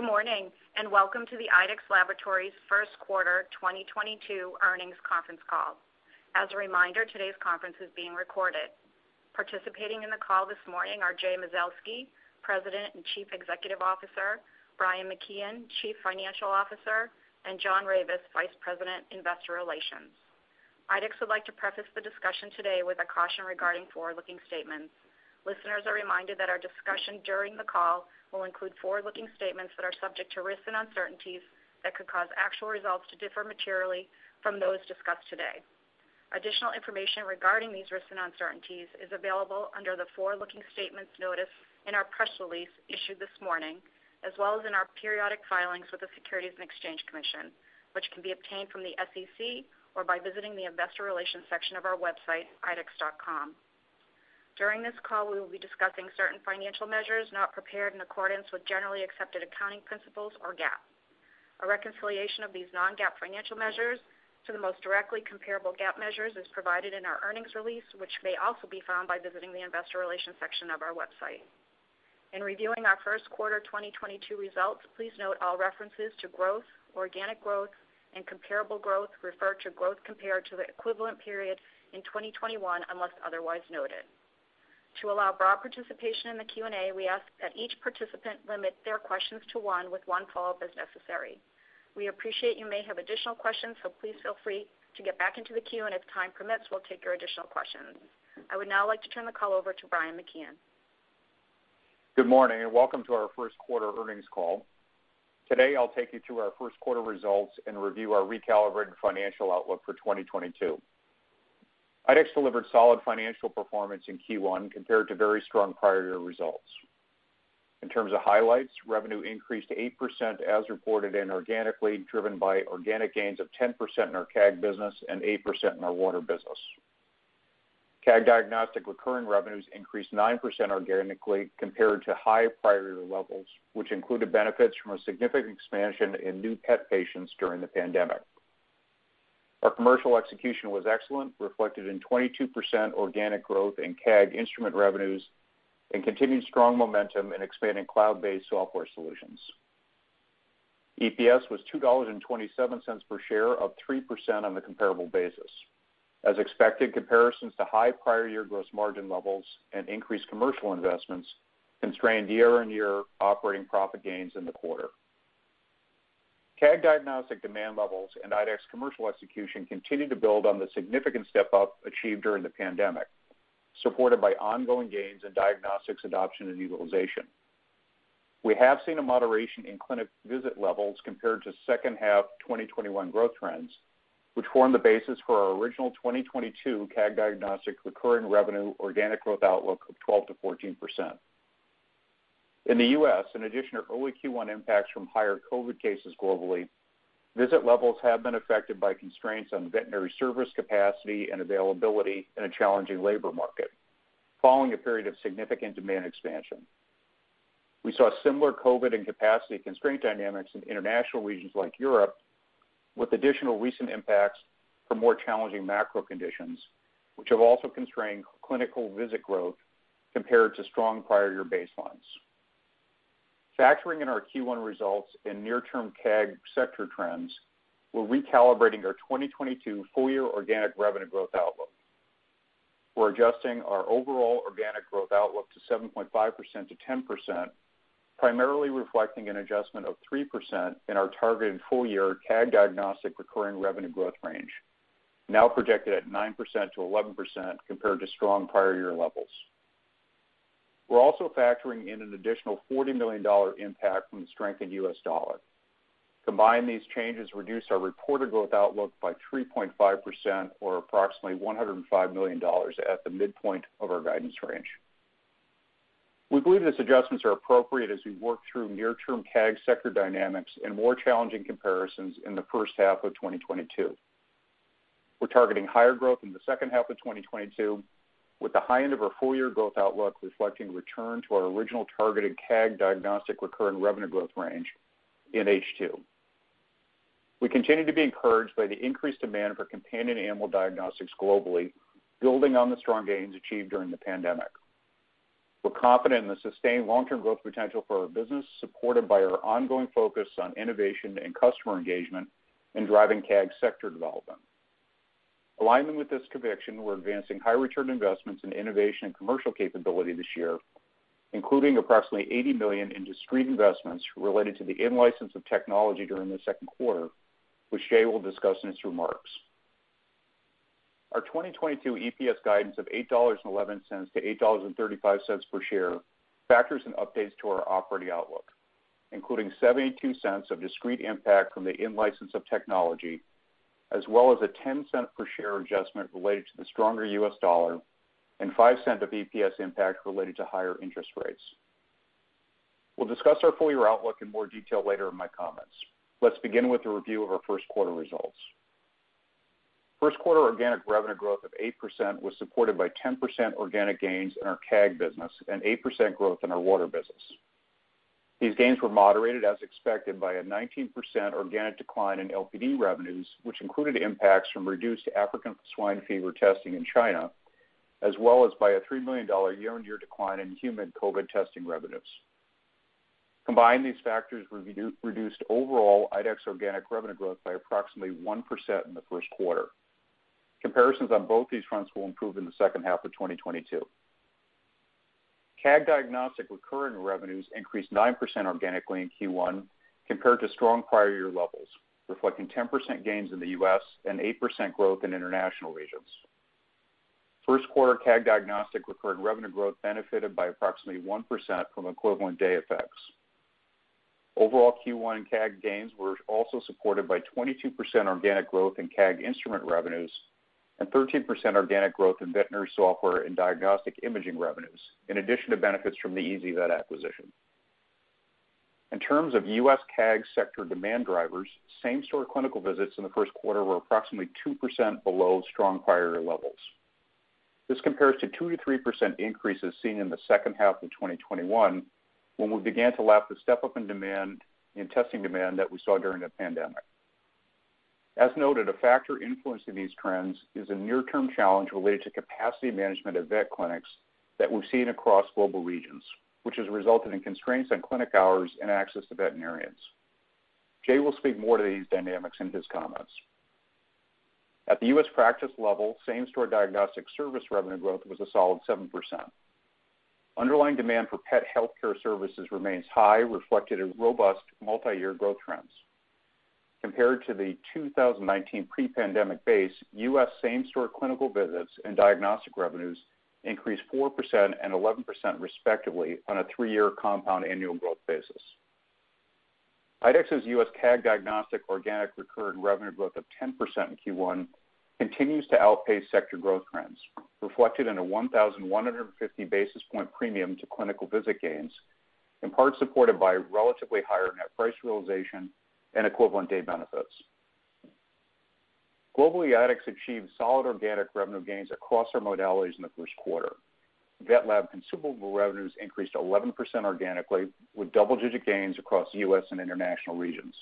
Good morning, and welcome to the IDEXX Laboratories first quarter 2022 earnings conference call. As a reminder, today's conference is being recorded. Participating in the call this morning are Jay Mazelsky, President and Chief Executive Officer, Brian McKeon, Chief Financial Officer, and John Ravis, Vice President, Investor Relations. IDEXX would like to preface the discussion today with a caution regarding forward-looking statements. Listeners are reminded that our discussion during the call will include forward-looking statements that are subject to risks and uncertainties that could cause actual results to differ materially from those discussed today. Additional information regarding these risks and uncertainties is available under the Forward-Looking Statements notice in our press release issued this morning, as well as in our periodic filings with the Securities and Exchange Commission, which can be obtained from the SEC or by visiting the Investor Relations section of our website, idexx.com. During this call, we will be discussing certain financial measures not prepared in accordance with generally accepted accounting principles or GAAP. A reconciliation of these non-GAAP financial measures to the most directly comparable GAAP measures is provided in our earnings release, which may also be found by visiting the Investor Relations section of our website. In reviewing our first quarter 2022 results, please note all references to growth, organic growth, and comparable growth refer to growth compared to the equivalent period in 2021, unless otherwise noted. To allow broad participation in the Q&A, we ask that each participant limit their questions to one with one follow-up as necessary. We appreciate you may have additional questions, so please feel free to get back into the queue, and if time permits, we'll take your additional questions. I would now like to turn the call over to Brian McKeon. Good morning, and welcome to our first quarter earnings call. Today, I'll take you through our first quarter results and review our recalibrated financial outlook for 2022. IDEXX delivered solid financial performance in Q1 compared to very strong prior year results. In terms of highlights, revenue increased 8% as reported and organically, driven by organic gains of 10% in our CAG business and 8% in our water business. CAG Diagnostics recurring revenues increased 9% organically compared to high prior year levels, which included benefits from a significant expansion in new pet patients during the pandemic. Our commercial execution was excellent, reflected in 22% organic growth in CAG instrument revenues and continued strong momentum in expanding cloud-based software solutions. EPS was $2.27 per share, up 3% on the comparable basis. As expected, comparisons to high prior year gross margin levels and increased commercial investments constrained year-on-year operating profit gains in the quarter. CAG Diagnostics demand levels and IDEXX commercial execution continued to build on the significant step-up achieved during the pandemic, supported by ongoing gains in diagnostics adoption and utilization. We have seen a moderation in clinic visit levels compared to second half 2021 growth trends, which form the basis for our original 2022 CAG Diagnostics recurring revenue organic growth outlook of 12%-14%. In the U.S., in addition to early Q1 impacts from higher COVID cases globally, visit levels have been affected by constraints on veterinary service capacity and availability in a challenging labor market following a period of significant demand expansion. We saw similar COVID and capacity constraint dynamics in international regions like Europe, with additional recent impacts from more challenging macro conditions, which have also constrained clinical visit growth compared to strong prior year baselines. Factoring in our Q1 results and near-term CAG sector trends, we're recalibrating our 2022 full-year organic revenue growth outlook. We're adjusting our overall organic growth outlook to 7.5%-10%, primarily reflecting an adjustment of 3% in our targeted full-year CAG Diagnostic recurring revenue growth range, now projected at 9%-11% compared to strong prior year levels. We're also factoring in an additional $40 million impact from the strengthened U.S. dollar. Combined, these changes reduce our reported growth outlook by 3.5% or approximately $105 million at the midpoint of our guidance range. We believe these adjustments are appropriate as we work through near-term CAG sector dynamics and more challenging comparisons in the first half of 2022. We're targeting higher growth in the second half of 2022, with the high end of our full-year growth outlook reflecting return to our original targeted CAG Diagnostics recurring revenue growth range in H2. We continue to be encouraged by the increased demand for companion animal diagnostics globally, building on the strong gains achieved during the pandemic. We're confident in the sustained long-term growth potential for our business, supported by our ongoing focus on innovation and customer engagement in driving CAG sector development. Aligning with this conviction, we're advancing high return investments in innovation and commercial capability this year, including approximately $80 million in discrete investments related to the in-license of technology during the second quarter, which Jay will discuss in his remarks. Our 2022 EPS guidance of $8.11-$8.35 per share factors in updates to our operating outlook, including $0.72 of discrete impact from the in-license of technology, as well as a $0.10 per share adjustment related to the stronger U.S. Dollar and $0.05 of EPS impact related to higher interest rates. We'll discuss our full-year outlook in more detail later in my comments. Let's begin with a review of our first quarter results. First quarter organic revenue growth of 8% was supported by 10% organic gains in our CAG business and 8% growth in our water business. These gains were moderated, as expected, by a 19% organic decline in LPD revenues, which included impacts from reduced African swine fever testing in China. As well as by a $3 million year-on-year decline in human COVID testing revenues. Combined, these factors reduced overall IDEXX organic revenue growth by approximately 1% in the first quarter. Comparisons on both these fronts will improve in the second half of 2022. CAG Diagnostic recurring revenues increased 9% organically in Q1 compared to strong prior year levels, reflecting 10% gains in the U.S. and 8% growth in international regions. First quarter CAG Diagnostic recurring revenue growth benefited by approximately 1% from equivalent day effects. Overall Q1 CAG gains were also supported by 22% organic growth in CAG instrument revenues and 13% organic growth in veterinary software and diagnostic imaging revenues, in addition to benefits from the ezyVet acquisition. In terms of U.S. CAG sector demand drivers, same-store clinical visits in the first quarter were approximately 2% below strong prior levels. This compares to 2%-3% increases seen in the second half of 2021, when we began to lap the step-up in demand, in testing demand that we saw during the pandemic. As noted, a factor influencing these trends is a near-term challenge related to capacity management at vet clinics that we've seen across global regions, which has resulted in constraints on clinic hours and access to veterinarians. Jay will speak more to these dynamics in his comments. At the U.S. practice level, same-store diagnostic service revenue growth was a solid 7%. Underlying demand for pet healthcare services remains high, reflected in robust multi-year growth trends. Compared to the 2019 pre-pandemic base, U.S. same-store clinical visits and diagnostic revenues increased 4% and 11% respectively on a three-year compound annual growth basis. IDEXX's U.S. CAG Diagnostic organic recurring revenue growth of 10% in Q1 continues to outpace sector growth trends, reflected in a 1,150 basis point premium to clinical visit gains, in part supported by relatively higher net price realization and equivalent day benefits. Globally, IDEXX achieved solid organic revenue gains across our modalities in the first quarter. Vet lab consumable revenues increased 11% organically, with double-digit gains across U.S. and international regions.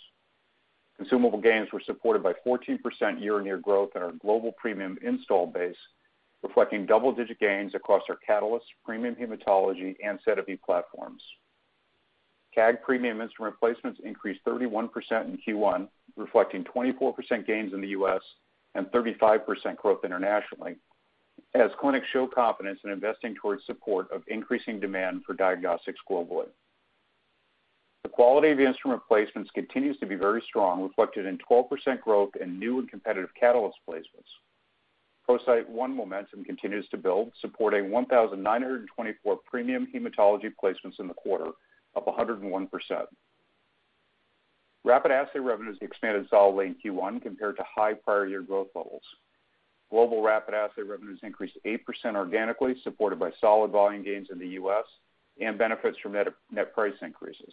Consumable gains were supported by 14% year-on-year growth in our global premium install base, reflecting double-digit gains across our Catalyst premium hematology and SediVue platforms. CAG premium instrument replacements increased 31% in Q1, reflecting 24% gains in the U.S. and 35% growth internationally, as clinics show confidence in investing towards support of increasing demand for diagnostics globally. The quality of instrument placements continues to be very strong, reflected in 12% growth in new and competitive Catalyst placements. ProCyte one momentum continues to build, supporting 1,924 premium hematology placements in the quarter, up 101%. Rapid assay revenues expanded solidly in Q1 compared to high prior year growth levels. Global rapid assay revenues increased 8% organically, supported by solid volume gains in the U.S. and benefits from net price increases.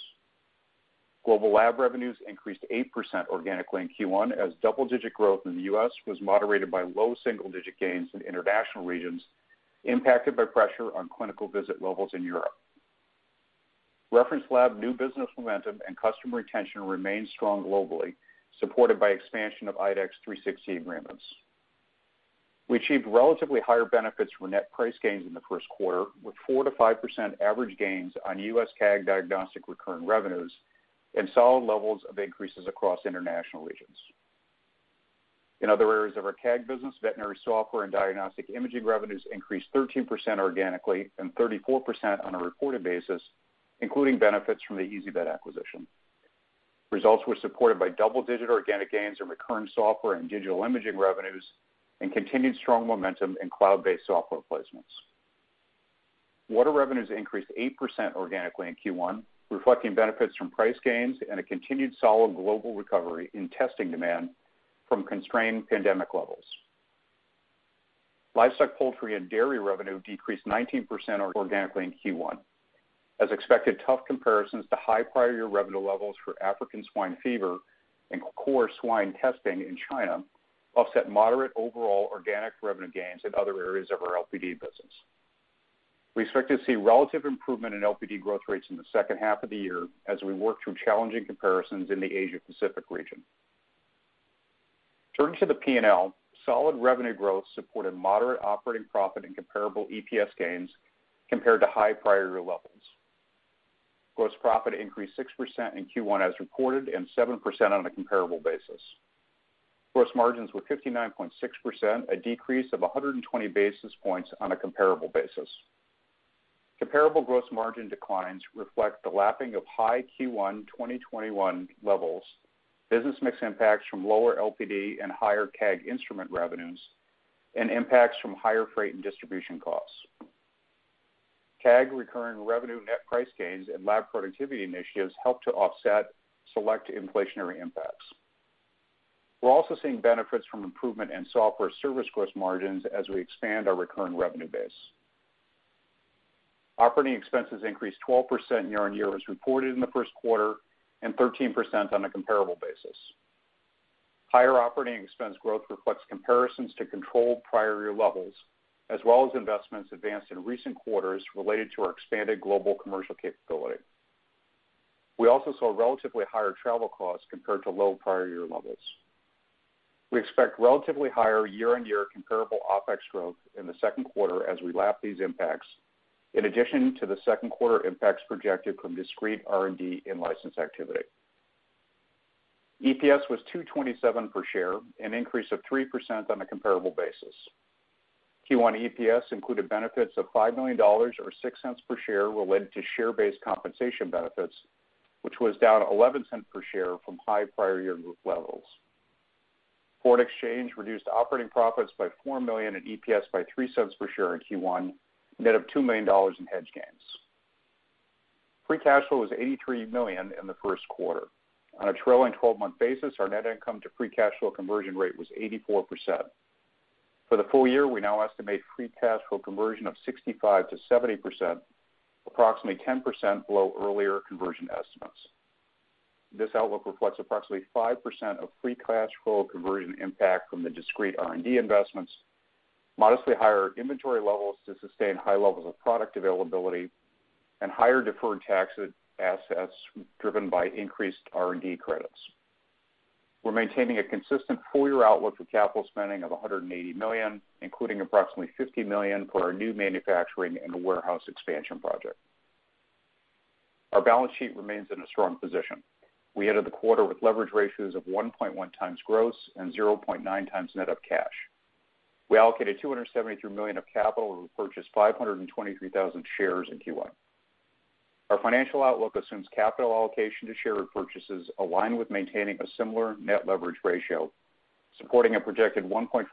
Global lab revenues increased 8% organically in Q1, as double-digit growth in the U.S. was moderated by low single-digit gains in international regions impacted by pressure on clinical visit levels in Europe. Reference lab new business momentum and customer retention remained strong globally, supported by expansion of IDEXX 360 agreements. We achieved relatively higher benefits from net price gains in the first quarter, with 4%-5% average gains on U.S. CAG Diagnostics recurring revenues and solid levels of increases across international regions. In other areas of our CAG business, veterinary software and diagnostic imaging revenues increased 13% organically and 34% on a reported basis, including benefits from the ezyVet acquisition. Results were supported by double-digit organic gains in recurring software and digital imaging revenues and continued strong momentum in cloud-based software placements. Water revenues increased 8% organically in Q1, reflecting benefits from price gains and a continued solid global recovery in testing demand from constrained pandemic levels. Livestock, poultry, and dairy revenue decreased 19% organically in Q1. As expected, tough comparisons to high prior year revenue levels for African swine fever and core swine testing in China offset moderate overall organic revenue gains in other areas of our LPD business. We expect to see relative improvement in LPD growth rates in the second half of the year as we work through challenging comparisons in the Asia Pacific region. Turning to the P&L, solid revenue growth supported moderate operating profit and comparable EPS gains compared to high prior year levels. Gross profit increased 6% in Q1 as reported, and 7% on a comparable basis. Gross margins were 59.6%, a decrease of 120 basis points on a comparable basis. Comparable gross margin declines reflect the lapping of high Q1 2021 levels, business mix impacts from lower LPD and higher CAG instrument revenues, and impacts from higher freight and distribution costs. CAG recurring revenue net price gains and lab productivity initiatives helped to offset select inflationary impacts. We're also seeing benefits from improvement in software service gross margins as we expand our recurring revenue base. Operating expenses increased 12% year-on-year as reported in the first quarter, and 13% on a comparable basis. Higher operating expense growth reflects comparisons to controlled prior year levels, as well as investments advanced in recent quarters related to our expanded global commercial capability. We also saw relatively higher travel costs compared to low prior year levels. We expect relatively higher year-on-year comparable OpEx growth in the second quarter as we lap these impacts, in addition to the second quarter impacts projected from discrete R&D in-license activity. EPS was $2.27 per share, an increase of 3% on a comparable basis. Q1 EPS included benefits of $5 million, or $0.06 per share related to share-based compensation benefits, which was down $0.11 per share from high prior year group levels. Foreign exchange reduced operating profits by $4 million and EPS by $0.03 per share in Q1, net of $2 million in hedge gains. Free cash flow was $83 million in the first quarter. On a trailing 12-month basis, our net income to free cash flow conversion rate was 84%. For the full year, we now estimate free cash flow conversion of 65%-70%, approximately 10% below earlier conversion estimates. This outlook reflects approximately 5% of free cash flow conversion impact from the discrete R&D investments, modestly higher inventory levels to sustain high levels of product availability, and higher deferred tax assets driven by increased R&D credits. We're maintaining a consistent full-year outlook for capital spending of $180 million, including approximately $50 million for our new manufacturing and warehouse expansion project. Our balance sheet remains in a strong position. We ended the quarter with leverage ratios of 1.1 times gross and 0.9 times net of cash. We allocated $273 million of capital and repurchased 523,000 shares in Q1. Our financial outlook assumes capital allocation to share repurchases align with maintaining a similar net leverage ratio, supporting a projected 1.5%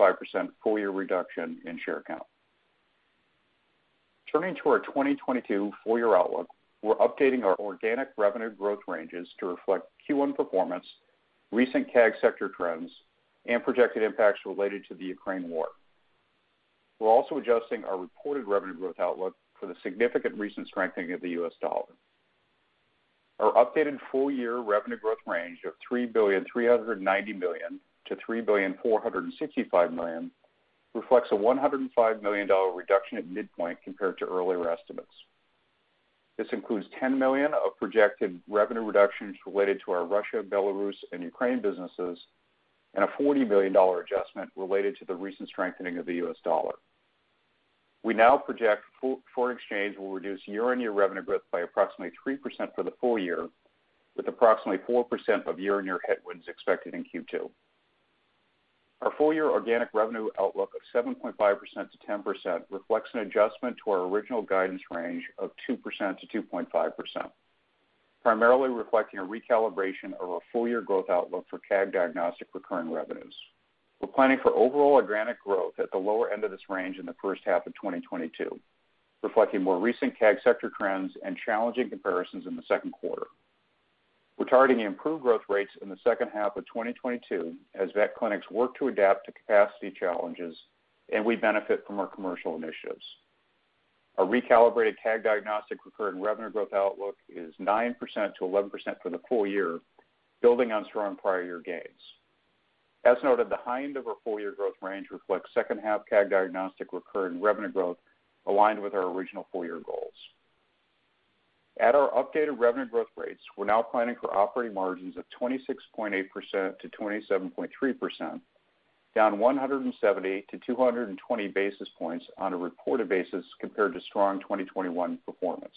full-year reduction in share count. Turning to our 2022 full-year outlook, we're updating our organic revenue growth ranges to reflect Q1 performance, recent CAG sector trends, and projected impacts related to the Ukraine war. We're also adjusting our reported revenue growth outlook for the significant recent strengthening of the U.S. dollar. Our updated full year revenue growth range of $3.39 billion-$3.465 billion reflects a $105 million reduction at midpoint compared to earlier estimates. This includes $10 million of projected revenue reductions related to our Russia, Belarus, and Ukraine businesses, and a $40 million adjustment related to the recent strengthening of the U.S. dollar. We now project foreign exchange will reduce year-on-year revenue growth by approximately 3% for the full year, with approximately 4% of year-on-year headwinds expected in Q2. Our full year organic revenue outlook of 7.5%-10% reflects an adjustment to our original guidance range of 2%-2.5%, primarily reflecting a recalibration of our full year growth outlook for CAG Diagnostics recurring revenues. We're planning for overall organic growth at the lower end of this range in the first half of 2022, reflecting more recent CAG sector trends and challenging comparisons in the second quarter. We're targeting improved growth rates in the second half of 2022 as vet clinics work to adapt to capacity challenges and we benefit from our commercial initiatives. Our recalibrated CAG Diagnostics recurring revenue growth outlook is 9%-11% for the full year, building on strong prior year gains. As noted, the high end of our full year growth range reflects second half CAG Diagnostics recurring revenue growth aligned with our original full year goals. At our updated revenue growth rates, we're now planning for operating margins of 26.8%-27.3%, down 170 basis points-220 basis points on a reported basis compared to strong 2021 performance.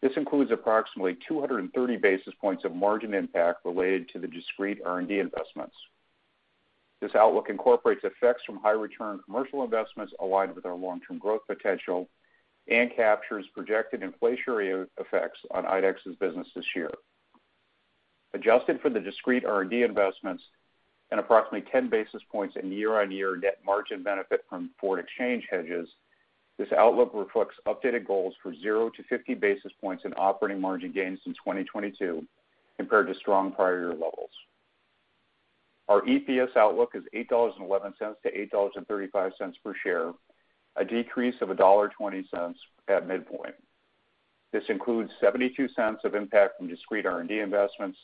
This includes approximately 230 basis points of margin impact related to the discrete R&D investments. This outlook incorporates effects from high return commercial investments aligned with our long-term growth potential and captures projected inflationary effects on IDEXX's business this year. Adjusted for the discrete R&D investments and approximately 10 basis points in year-on-year net margin benefit from foreign exchange hedges, this outlook reflects updated goals for zero basis points-50 basis points in operating margin gains in 2022 compared to strong prior year levels. Our EPS outlook is $8.11-$8.35 per share, a decrease of $1.20 at midpoint. This includes $0.72 of impact from discrete R&D investments,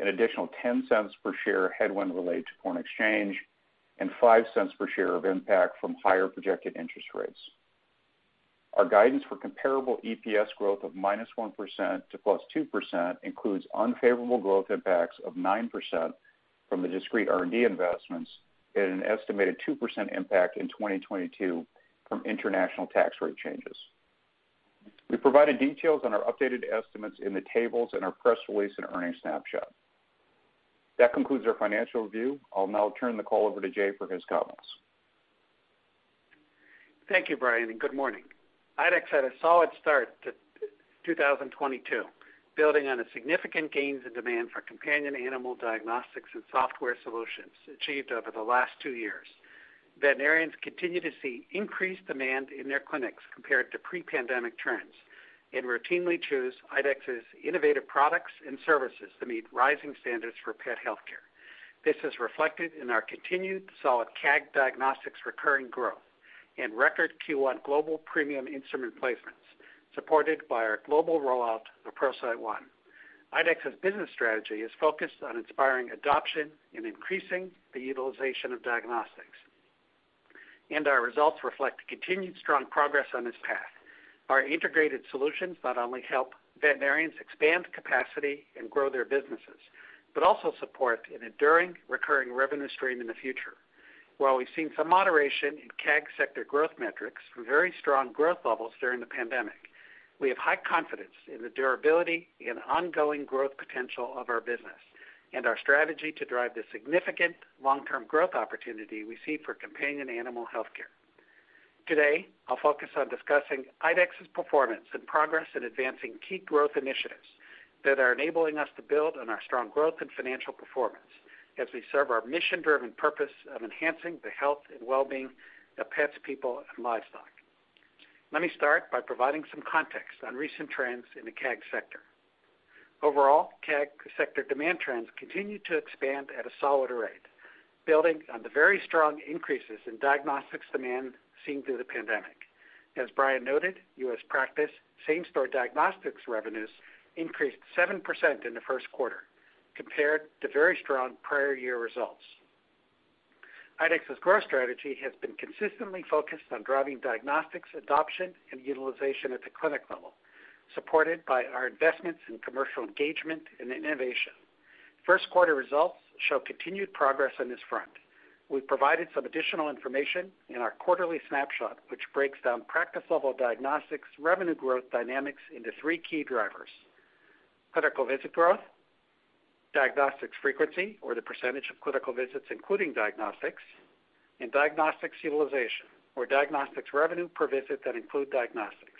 an additional $0.10 per share headwind related to foreign exchange, and $0.05 per share of impact from higher projected interest rates. Our guidance for comparable EPS growth of -1% to +2% includes unfavorable growth impacts of 9% from the discrete R&D investments and an estimated 2% impact in 2022 from international tax rate changes. We provided details on our updated estimates in the tables in our press release and earnings snapshot. That concludes our financial review. I'll now turn the call over to Jay for his comments. Thank you, Brian, and good morning. IDEXX had a solid start to 2022, building on the significant gains in demand for companion animal diagnostics and software solutions achieved over the last two years. Veterinarians continue to see increased demand in their clinics compared to pre-pandemic trends and routinely choose IDEXX's innovative products and services to meet rising standards for pet healthcare. This is reflected in our continued solid CAG Diagnostics recurring growth and record Q1 global premium instrument placements, supported by our global rollout of ProCyte One. IDEXX's business strategy is focused on inspiring adoption and increasing the utilization of diagnostics. Our results reflect continued strong progress on this path. Our integrated solutions not only help veterinarians expand capacity and grow their businesses, but also support an enduring recurring revenue stream in the future. While we've seen some moderation in CAG sector growth metrics from very strong growth levels during the pandemic, we have high confidence in the durability and ongoing growth potential of our business and our strategy to drive the significant long-term growth opportunity we see for companion animal healthcare. Today, I'll focus on discussing IDEXX's performance and progress in advancing key growth initiatives that are enabling us to build on our strong growth and financial performance as we serve our mission-driven purpose of enhancing the health and well-being of pets, people, and livestock. Let me start by providing some context on recent trends in the CAG sector. Overall, CAG sector demand trends continue to expand at a solid rate, building on the very strong increases in diagnostics demand seen through the pandemic. As Brian noted, U.S. practice same store diagnostics revenues increased 7% in the first quarter compared to very strong prior year results. IDEXX's growth strategy has been consistently focused on driving diagnostics adoption and utilization at the clinic level, supported by our investments in commercial engagement and innovation. First quarter results show continued progress on this front. We've provided some additional information in our quarterly snapshot, which breaks down practice level diagnostics revenue growth dynamics into three key drivers, clinical visit growth, diagnostics frequency, or the percentage of clinical visits including diagnostics, and diagnostics utilization, or diagnostics revenue per visit that include diagnostics.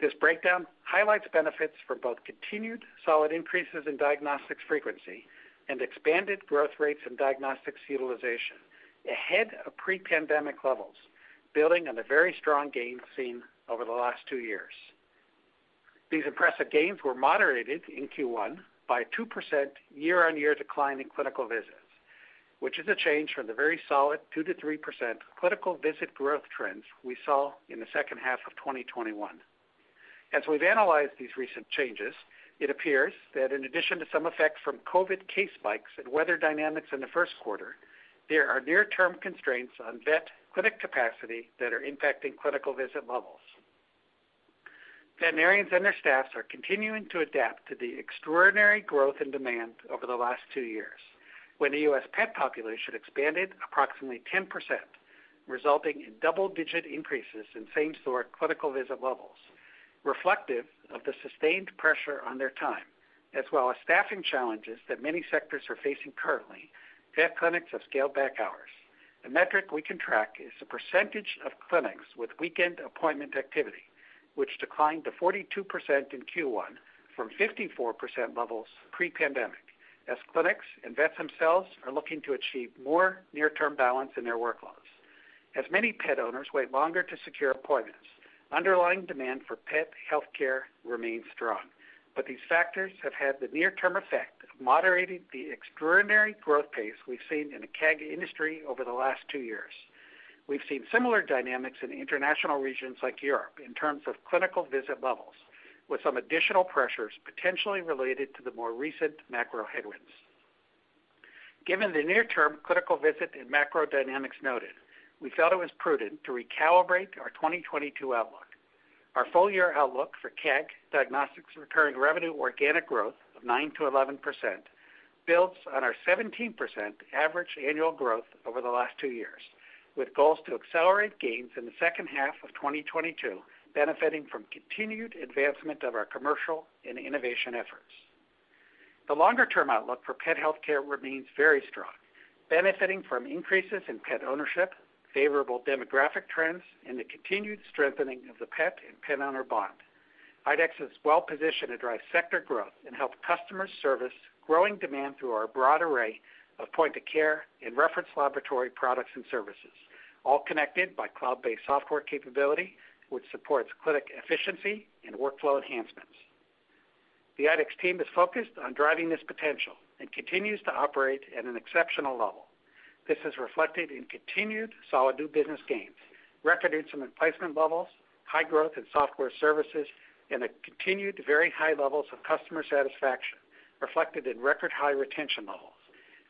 This breakdown highlights benefits for both continued solid increases in diagnostics frequency and expanded growth rates and diagnostics utilization ahead of pre-pandemic levels, building on the very strong gains seen over the last two years. These impressive gains were moderated in Q1 by 2% year-on-year decline in clinical visits, which is a change from the very solid 2%-3% clinical visit growth trends we saw in the second half of 2021. As we've analyzed these recent changes, it appears that in addition to some effects from COVID case spikes and weather dynamics in the first quarter, there are near-term constraints on vet clinic capacity that are impacting clinical visit levels. Veterinarians and their staffs are continuing to adapt to the extraordinary growth and demand over the last two years. When the U.S. pet population expanded approximately 10%, resulting in double-digit increases in same-store clinical visit levels, reflective of the sustained pressure on their time, as well as staffing challenges that many sectors are facing currently, vet clinics have scaled back hours. The metric we can track is the percentage of clinics with weekend appointment activity, which declined to 42% in Q1 from 54% levels pre-pandemic, as clinics and vets themselves are looking to achieve more near-term balance in their workloads. Many pet owners wait longer to secure appointments, underlying demand for pet healthcare remains strong. These factors have had the near-term effect of moderating the extraordinary growth pace we've seen in the CAG industry over the last two years. We've seen similar dynamics in international regions like Europe in terms of clinical visit levels, with some additional pressures potentially related to the more recent macro headwinds. Given the near-term clinical visit and macro dynamics noted, we felt it was prudent to recalibrate our 2022 outlook. Our full-year outlook for CAG Diagnostics recurring revenue organic growth of 9%-11% builds on our 17% average annual growth over the last two years, with goals to accelerate gains in the second half of 2022, benefiting from continued advancement of our commercial and innovation efforts. The longer-term outlook for pet healthcare remains very strong, benefiting from increases in pet ownership, favorable demographic trends, and the continued strengthening of the pet and pet owner bond. IDEXX is well positioned to drive sector growth and help customers service growing demand through our broad array of point-of-care and reference laboratory products and services, all connected by cloud-based software capability, which supports clinic efficiency and workflow enhancements. The IDEXX team is focused on driving this potential and continues to operate at an exceptional level. This is reflected in continued solid new business gains, record instrument placement levels, high growth in software services, and the continued very high levels of customer satisfaction reflected in record high retention levels.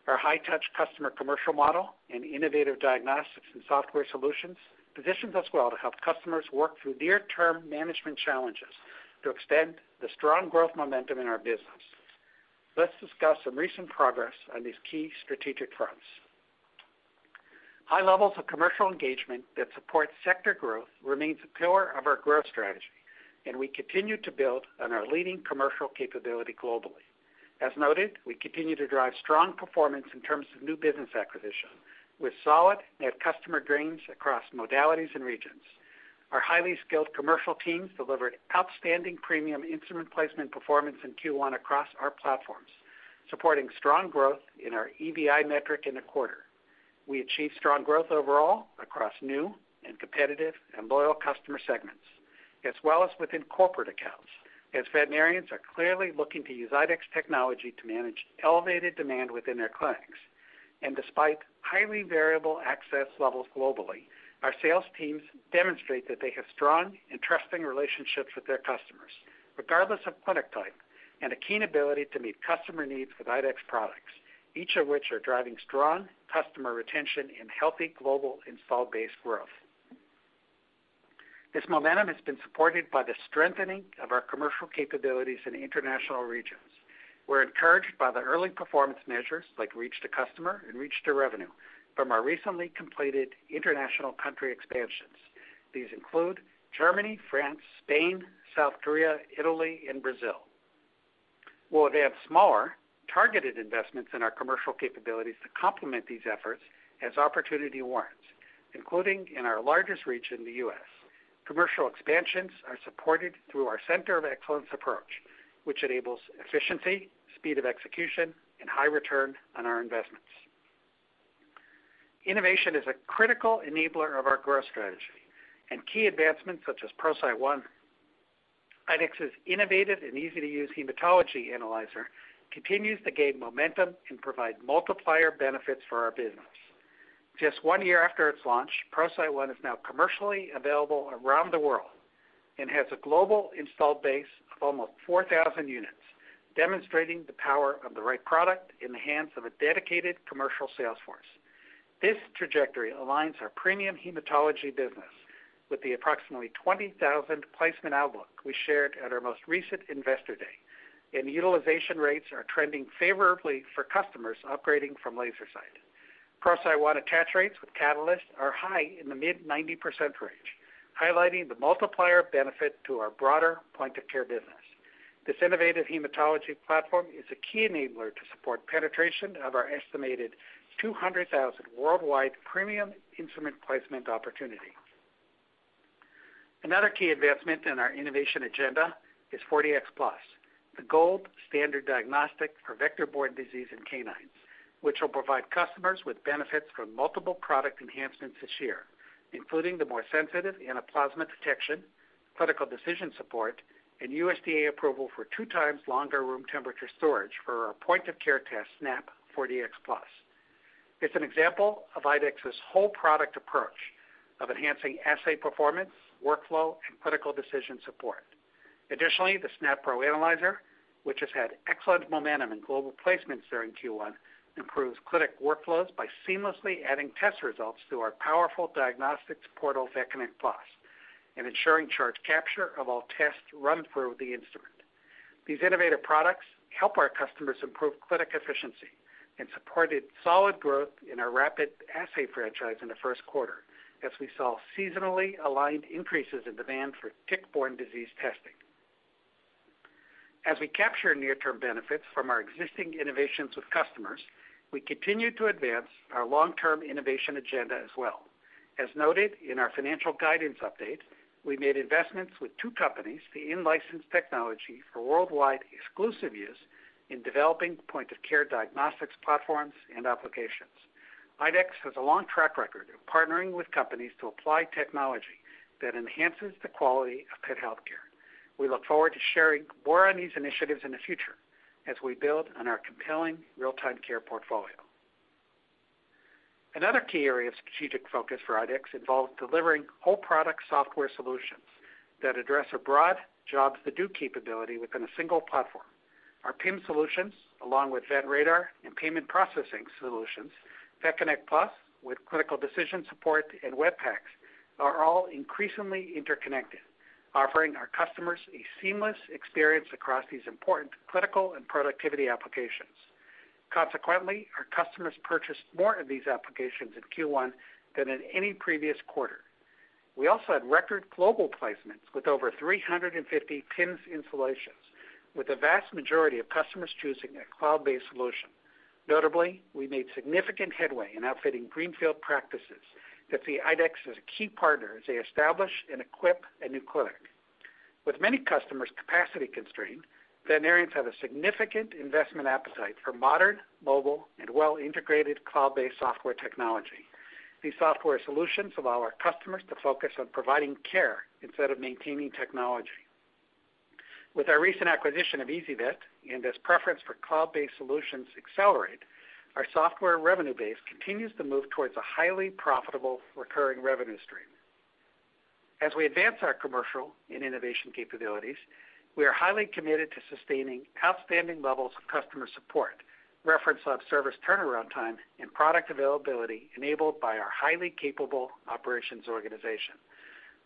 Our high-touch customer commercial model and innovative diagnostics and software solutions positions us well to help customers work through near-term management challenges to extend the strong growth momentum in our business. Let's discuss some recent progress on these key strategic fronts. High levels of commercial engagement that support sector growth remains a pillar of our growth strategy, and we continue to build on our leading commercial capability globally. As noted, we continue to drive strong performance in terms of new business acquisition with solid net customer gains across modalities and regions. Our highly skilled commercial teams delivered outstanding premium instrument placement performance in Q1 across our platforms, supporting strong growth in our EVI metric in the quarter. We achieved strong growth overall across new and competitive and loyal customer segments, as well as within corporate accounts, as veterinarians are clearly looking to use IDEXX technology to manage elevated demand within their clinics. Despite highly variable access levels globally, our sales teams demonstrate that they have strong and trusting relationships with their customers. Regardless of clinic type and a keen ability to meet customer needs with IDEXX products, each of which are driving strong customer retention and healthy global install base growth. This momentum has been supported by the strengthening of our commercial capabilities in international regions. We're encouraged by the early performance measures like reach to customer and reach to revenue from our recently completed international country expansions. These include Germany, France, Spain, South Korea, Italy, and Brazil. We'll advance smaller, targeted investments in our commercial capabilities to complement these efforts as opportunity warrants, including in our largest region, the U.S. Commercial expansions are supported through our center of excellence approach, which enables efficiency, speed of execution, and high return on our investments. Innovation is a critical enabler of our growth strategy, and key advancements such as ProCyte One, IDEXX's innovative and easy-to-use hematology analyzer, continues to gain momentum and provide multiplier benefits for our business. Just one year after its launch, ProCyte One is now commercially available around the world and has a global installed base of almost 4,000 units, demonstrating the power of the right product in the hands of a dedicated commercial sales force. This trajectory aligns our premium hematology business with the approximately 20,000 placement outlook we shared at our most recent Investor Day, and utilization rates are trending favorably for customers upgrading from LaserCyte. ProCyte One attach rates with Catalyst are high in the mid-90% range, highlighting the multiplier benefit to our broader point of care business. This innovative hematology platform is a key enabler to support penetration of our estimated 200,000 worldwide premium instrument placement opportunity. Another key investment in our innovation agenda is 4Dx Plus, the gold standard diagnostic for vector-borne disease in canines, which will provide customers with benefits from multiple product enhancements this year, including the more sensitive Anaplasma detection, critical decision support, and USDA approval for two times longer room temperature storage for our point of care test SNAP 4Dx Plus. It's an example of IDEXX's whole product approach of enhancing assay performance, workflow, and critical decision support. Additionally, the SNAP Pro Analyzer, which has had excellent momentum in global placements during Q1, improves clinic workflows by seamlessly adding test results to our powerful diagnostics portal, VetConnect PLUS, and ensuring charge capture of all tests run through the instrument. These innovative products help our customers improve clinic efficiency and supported solid growth in our rapid assay franchise in the first quarter as we saw seasonally aligned increases in demand for tick-borne disease testing. As we capture near-term benefits from our existing innovations with customers, we continue to advance our long-term innovation agenda as well. As noted in our financial guidance update, we made investments with two companies to in-license technology for worldwide exclusive use in developing point-of-care diagnostics platforms and applications. IDEXX has a long track record of partnering with companies to apply technology that enhances the quality of pet healthcare. We look forward to sharing more on these initiatives in the future as we build on our compelling real-time care portfolio. Another key area of strategic focus for IDEXX involves delivering whole product software solutions that address a broad job-to-do capability within a single platform. Our PIM solutions, along with VetRadar and payment processing solutions, VetConnect PLUS with critical decision support and Web PACS are all increasingly interconnected, offering our customers a seamless experience across these important clinical and productivity applications. Consequently, our customers purchased more of these applications in Q1 than in any previous quarter. We also had record global placements with over 350 PIMs installations, with the vast majority of customers choosing a cloud-based solution. Notably, we made significant headway in outfitting greenfield practices that see IDEXX as a key partner as they establish and equip a new clinic. With many customers capacity constrained, veterinarians have a significant investment appetite for modern, mobile and well-integrated cloud-based software technology. These software solutions allow our customers to focus on providing care instead of maintaining technology. With our recent acquisition of ezyVet and as preference for cloud-based solutions accelerate, our software revenue base continues to move towards a highly profitable recurring revenue stream. As we advance our commercial and innovation capabilities, we are highly committed to sustaining outstanding levels of customer support, reference lab service turnaround time and product availability enabled by our highly capable operations organization.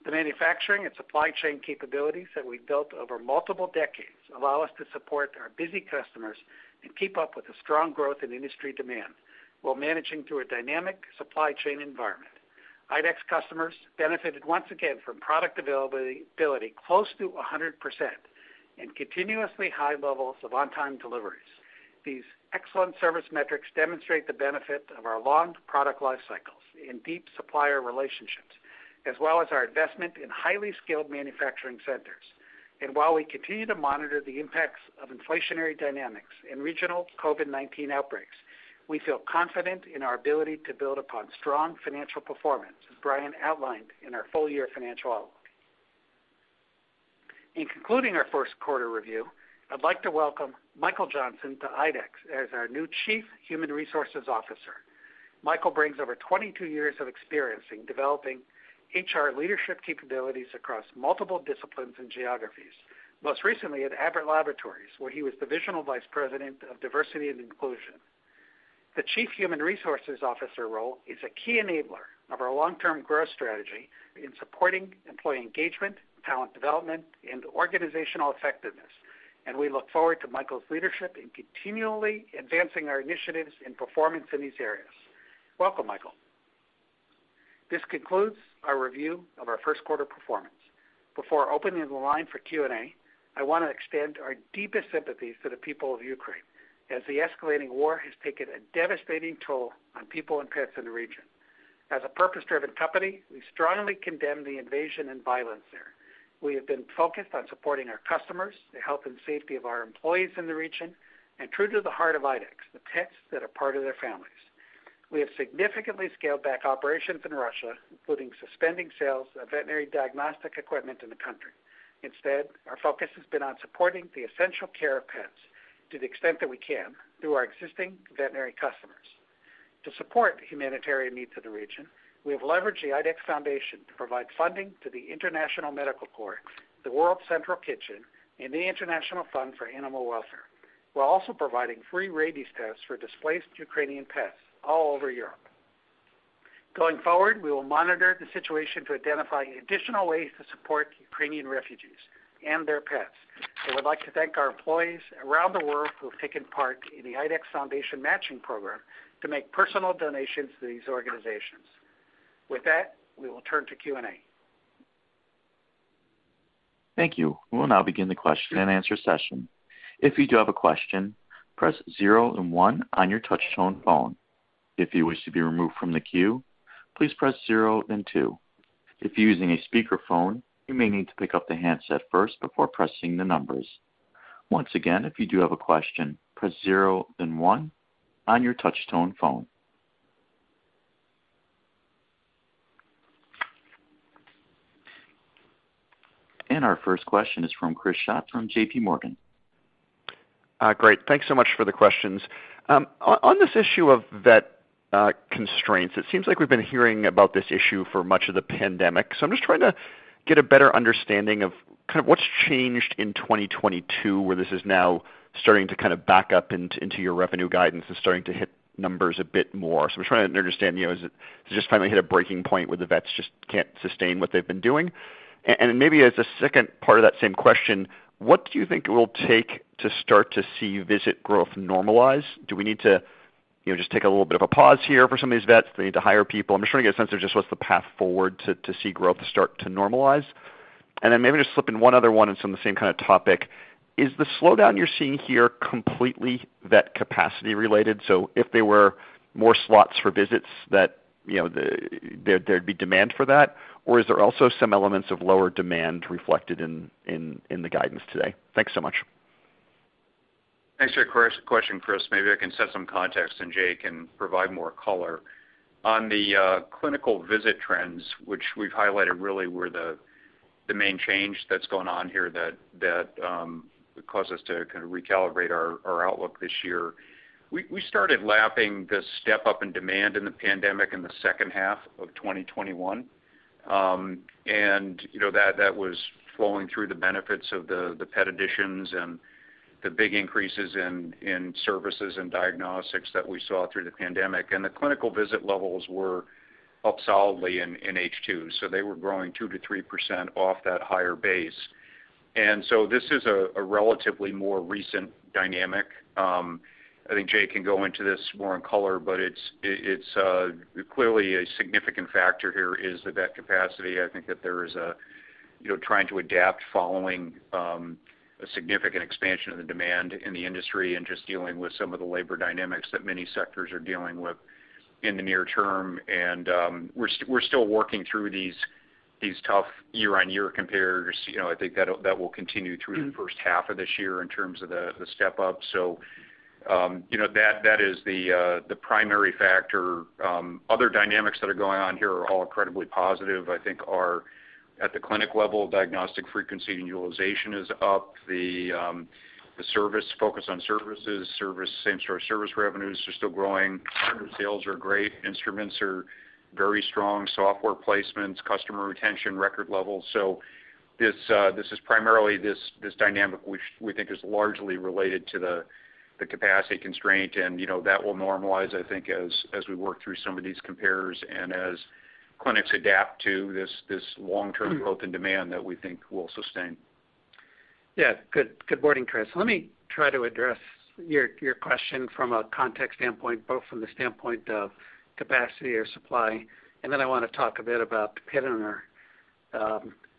The manufacturing and supply chain capabilities that we've built over multiple decades allow us to support our busy customers and keep up with the strong growth in industry demand while managing through a dynamic supply chain environment. IDEXX customers benefited once again from product availability close to 100% and continuously high levels of on-time deliveries. These excellent service metrics demonstrate the benefit of our long product life cycles and deep supplier relationships, as well as our investment in highly skilled manufacturing centers. While we continue to monitor the impacts of inflationary dynamics and regional COVID-19 outbreaks, we feel confident in our ability to build upon strong financial performance, as Brian outlined in our full year financial outlook. In concluding our first quarter review, I'd like to welcome Michael Lane to IDEXX as our new Chief Human Resources Officer. Michael brings over 22 years of experience in developing HR leadership capabilities across multiple disciplines and geographies. Most recently at Abbott Laboratories, where he was Divisional Vice President of Diversity and Inclusion. The Chief Human Resources Officer role is a key enabler of our long-term growth strategy in supporting employee engagement, talent development, and organizational effectiveness, and we look forward to Michael's leadership in continually advancing our initiatives and performance in these areas. Welcome, Michael. This concludes our review of our first quarter performance. Before opening the line for Q&A, I wanna extend our deepest sympathies to the people of Ukraine as the escalating war has taken a devastating toll on people and pets in the region. As a purpose-driven company, we strongly condemn the invasion and violence there. We have been focused on supporting our customers, the health and safety of our employees in the region, and true to the heart of IDEXX, the pets that are part of their families. We have significantly scaled back operations in Russia, including suspending sales of veterinary diagnostic equipment in the country. Instead, our focus has been on supporting the essential care of pets to the extent that we can through our existing veterinary customers. To support humanitarian needs of the region, we have leveraged the IDEXX Foundation to provide funding to the International Medical Corps, the World Central Kitchen, and the International Fund for Animal Welfare. We're also providing free rabies tests for displaced Ukrainian pets all over Europe. Going forward, we will monitor the situation to identify additional ways to support Ukrainian refugees and their pets. We'd like to thank our employees around the world who have taken part in the IDEXX Foundation matching program to make personal donations to these organizations. With that, we will turn to Q&A. Thank you. We will now begin the question and answer session. If you do have a question, press zero then one on your touchtone phone. If you wish to be removed from the queue, please press zero then two. If you're using a speakerphone, you may need to pick up the handset first before pressing the numbers. Once again, if you do have a question, press zero then one on your touchtone phone. Our first question is from Chris Schott from JPMorgan. Great. Thanks so much for the questions. On this issue of vet constraints, it seems like we've been hearing about this issue for much of the pandemic. I'm just trying to get a better understanding of kind of what's changed in 2022, where this is now starting to kind of back up into your revenue guidance and starting to hit numbers a bit more. I'm trying to understand, you know, has it just finally hit a breaking point where the vets just can't sustain what they've been doing? And maybe as a second part of that same question, what do you think it will take to start to see visit growth normalize? Do we need to, you know, just take a little bit of a pause here for some of these vets? Do they need to hire people? I'm just trying to get a sense of just what's the path forward to see growth start to normalize. Then maybe just slip in one other one that's on the same kinda topic. Is the slowdown you're seeing here completely vet capacity related? If there were more slots for visits that, you know, there'd be demand for that, or is there also some elements of lower demand reflected in the guidance today? Thanks so much. Thanks for your question, Chris. Maybe I can set some context and Jay can provide more color. On the clinical visit trends, which we've highlighted really were the main change that's going on here that would cause us to kind of recalibrate our outlook this year. We started lapping the step up in demand in the pandemic in the second half of 2021. You know, that was flowing through the benefits of the pet additions and the big increases in services and diagnostics that we saw through the pandemic. The clinical visit levels were up solidly in H2. They were growing 2%-3% off that higher base. This is a relatively more recent dynamic. I think Jay can go into this more in color, but it's clearly a significant factor here, the vet capacity. I think that there is, you know, trying to adapt following a significant expansion of the demand in the industry and just dealing with some of the labor dynamics that many sectors are dealing with in the near term. We're still working through these tough year-on-year comps. You know, I think that will continue through the first half of this year in terms of the step up. You know, that is the primary factor. Other dynamics that are going on here are all incredibly positive. I think at the clinic level, diagnostic frequency and utilization is up. The service focus on services, same store service revenues are still growing. Sales are great. Instruments are very strong. Software placements, customer retention, record levels. This is primarily this dynamic which we think is largely related to the capacity constraint. You know, that will normalize, I think, as we work through some of these compares and as clinics adapt to this long-term growth and demand that we think will sustain. Yeah. Good morning, Chris. Let me try to address your question from a context standpoint, both from the standpoint of capacity or supply, and then I wanna talk a bit about the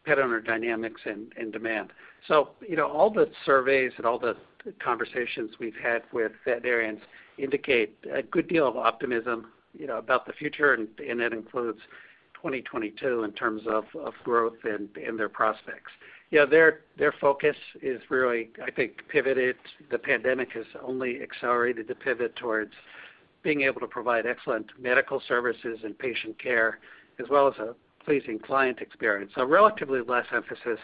pet owner dynamics and demand. You know, all the surveys and all the conversations we've had with veterinarians indicate a good deal of optimism, you know, about the future, and that includes 2022 in terms of growth and their prospects. Yeah, their focus is really, I think, pivoted. The pandemic has only accelerated the pivot towards being able to provide excellent medical services and patient care, as well as a pleasing client experience. Relatively less emphasis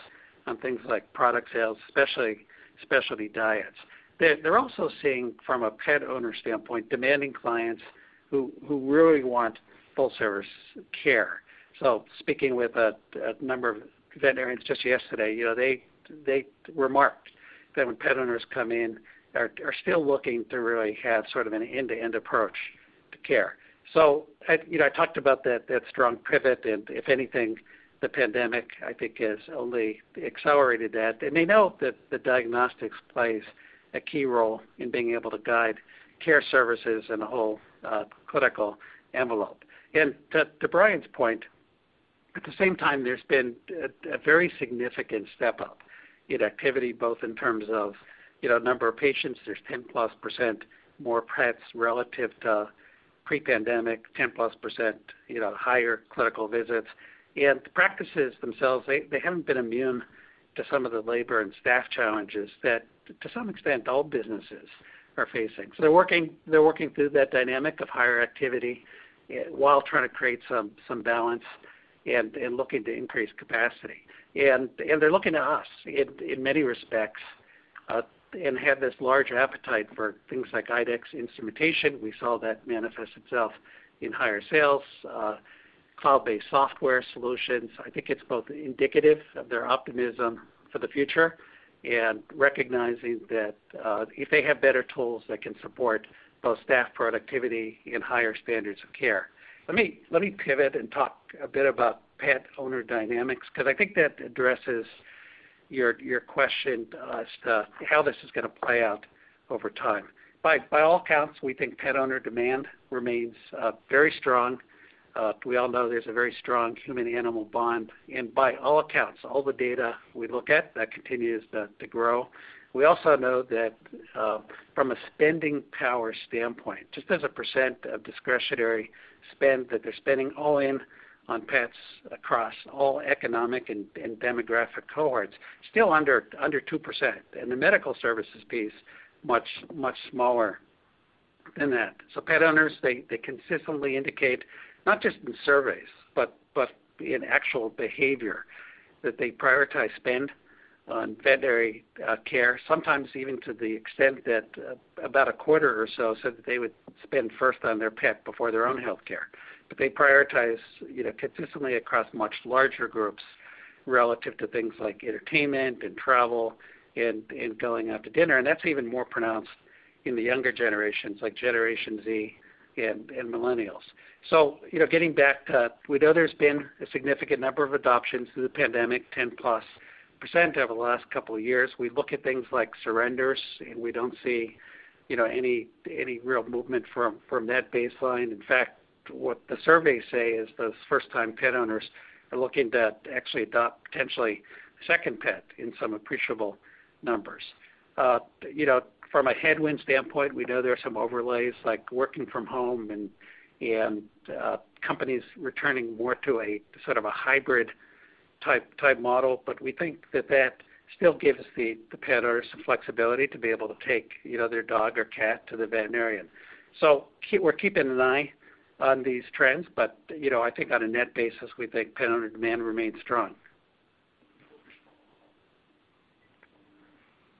on things like product sales, especially specialty diets. They're also seeing from a pet owner standpoint, demanding clients who really want full service care. Speaking with a number of veterinarians just yesterday, you know, they remarked that when pet owners come in, are still looking to really have sort of an end-to-end approach to care. I, you know, I talked about that strong pivot and if anything, the pandemic, I think, has only accelerated that. They may know that the diagnostics plays a key role in being able to guide care services and the whole clinical envelope. To Brian's point, at the same time, there's been a very significant step up in activity, both in terms of, you know, number of patients. There's 10%+ more pets relative to pre-pandemic, 10%+, you know, higher clinical visits. The practices themselves, they haven't been immune to some of the labor and staff challenges that to some extent all businesses are facing. They're working through that dynamic of higher activity while trying to create some balance and looking to increase capacity. They're looking to us in many respects and have this large appetite for things like IDEXX instrumentation. We saw that manifest itself in higher sales, cloud-based software solutions. I think it's both indicative of their optimism for the future and recognizing that if they have better tools that can support both staff productivity and higher standards of care. Let me pivot and talk a bit about pet owner dynamics because I think that addresses your question as to how this is gonna play out over time. By all accounts, we think pet owner demand remains very strong. We all know there's a very strong human-animal bond, and by all accounts, all the data we look at, that continues to grow. We also know that, from a spending power standpoint, just as a percent of discretionary spend that they're spending all in on pets across all economic and demographic cohorts, still under 2%, and the medical services piece much smaller than that. Pet owners consistently indicate, not just in surveys, but in actual behavior, that they prioritize spend on veterinary care, sometimes even to the extent that about a quarter or so said that they would spend first on their pet before their own healthcare. They prioritize, you know, consistently across much larger groups relative to things like entertainment and travel and going out to dinner. That's even more pronounced in the younger generations like Generation Z and Millennials. You know, getting back to. We know there's been a significant number of adoptions through the pandemic, 10%+ over the last couple of years. We look at things like surrenders, and we don't see, you know, any real movement from that baseline. In fact, what the surveys say is those first-time pet owners are looking to actually adopt potentially a second pet in some appreciable numbers. You know, from a headwind standpoint, we know there are some overlays like working from home and companies returning more to a sort of a hybrid type model. We think that still gives the pet owners some flexibility to be able to take, you know, their dog or cat to the veterinarian. We're keeping an eye on these trends, but, you know, I think on a net basis, we think pet owner demand remains strong.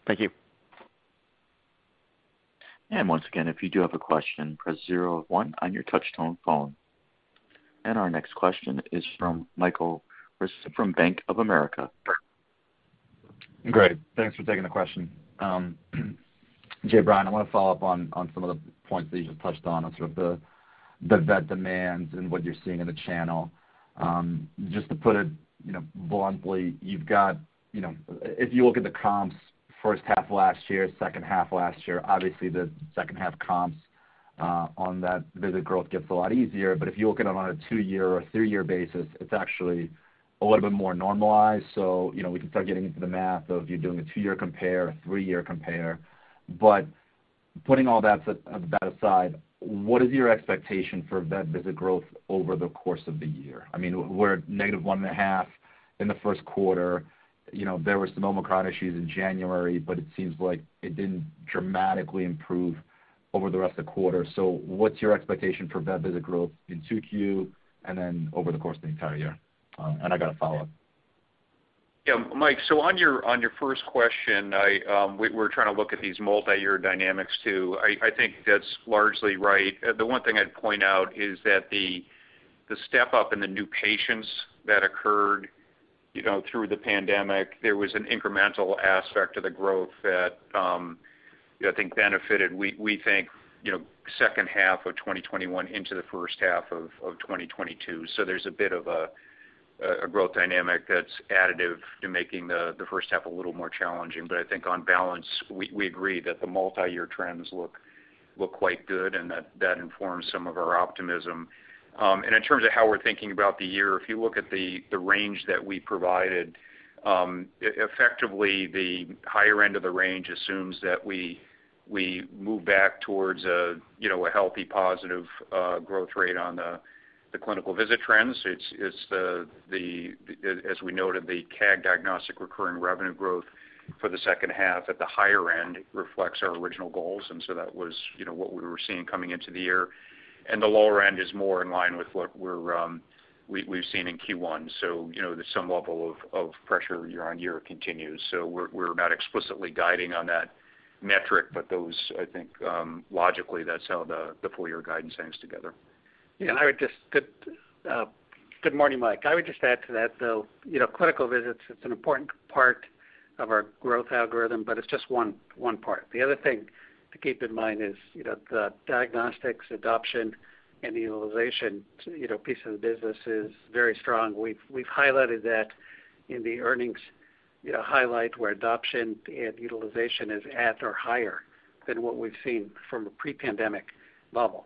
Thank you. Once again, if you do have a question, press zero one on your touchtone phone. Our next question is from Michael Ryskin from Bank of America. Great. Thanks for taking the question. Jay, Brian, I want to follow up on some of the points that you just touched on sort of the vet demands and what you're seeing in the channel. Just to put it, you know, bluntly, you've got, you know. If you look at the comps first half last year, second half last year, obviously the second half comps on that visit growth gets a lot easier. If you look at it on a two-year or three-year basis, it's actually a little bit more normalized. You know, we can start getting into the math of you doing a two-year compare, a three-year compare. Putting all that aside, what is your expectation for vet visit growth over the course of the year? I mean, we're at -1.5% in the first quarter. You know, there were some Omicron issues in January, but it seems like it didn't dramatically improve over the rest of the quarter. What's your expectation for vet visit growth in 2Q and then over the course of the entire year? I got a follow-up. Yeah, Mike. On your first question, we're trying to look at these multi-year dynamics too. I think that's largely right. The one thing I'd point out is that the step-up in the new patients that occurred, you know, through the pandemic, there was an incremental aspect to the growth that I think benefited, we think, you know, second half of 2021 into the first half of 2022. There's a bit of a growth dynamic that's additive to making the first half a little more challenging. I think on balance, we agree that the multi-year trends look quite good and that that informs some of our optimism. In terms of how we're thinking about the year, if you look at the range that we provided, effectively, the higher end of the range assumes that we move back towards a, you know, a healthy, positive growth rate on the clinical visit trends. As we noted, the CAG Diagnostics recurring revenue growth for the second half at the higher end reflects our original goals. That was, you know, what we were seeing coming into the year. The lower end is more in line with what we've seen in Q1. You know, there's some level of pressure year-on-year continues. We're not explicitly guiding on that metric, but those, I think, logically, that's how the full year guidance hangs together. Good morning, Mike. I would just add to that, though, you know, clinical visits, it's an important part of our growth algorithm, but it's just one part. The other thing to keep in mind is, you know, the diagnostics adoption and utilization, you know, piece of the business is very strong. We've highlighted that in the earnings, you know, highlight where adoption and utilization is at or higher than what we've seen from a pre-pandemic level.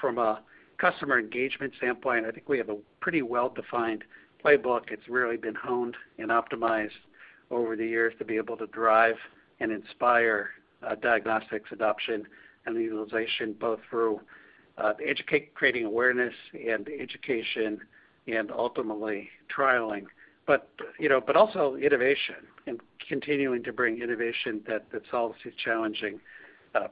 From a customer engagement standpoint, I think we have a pretty well-defined playbook. It's really been honed and optimized over the years to be able to drive and inspire diagnostics adoption and utilization, both through creating awareness and education and ultimately trialing. But you know, but also innovation and continuing to bring innovation that solves these challenging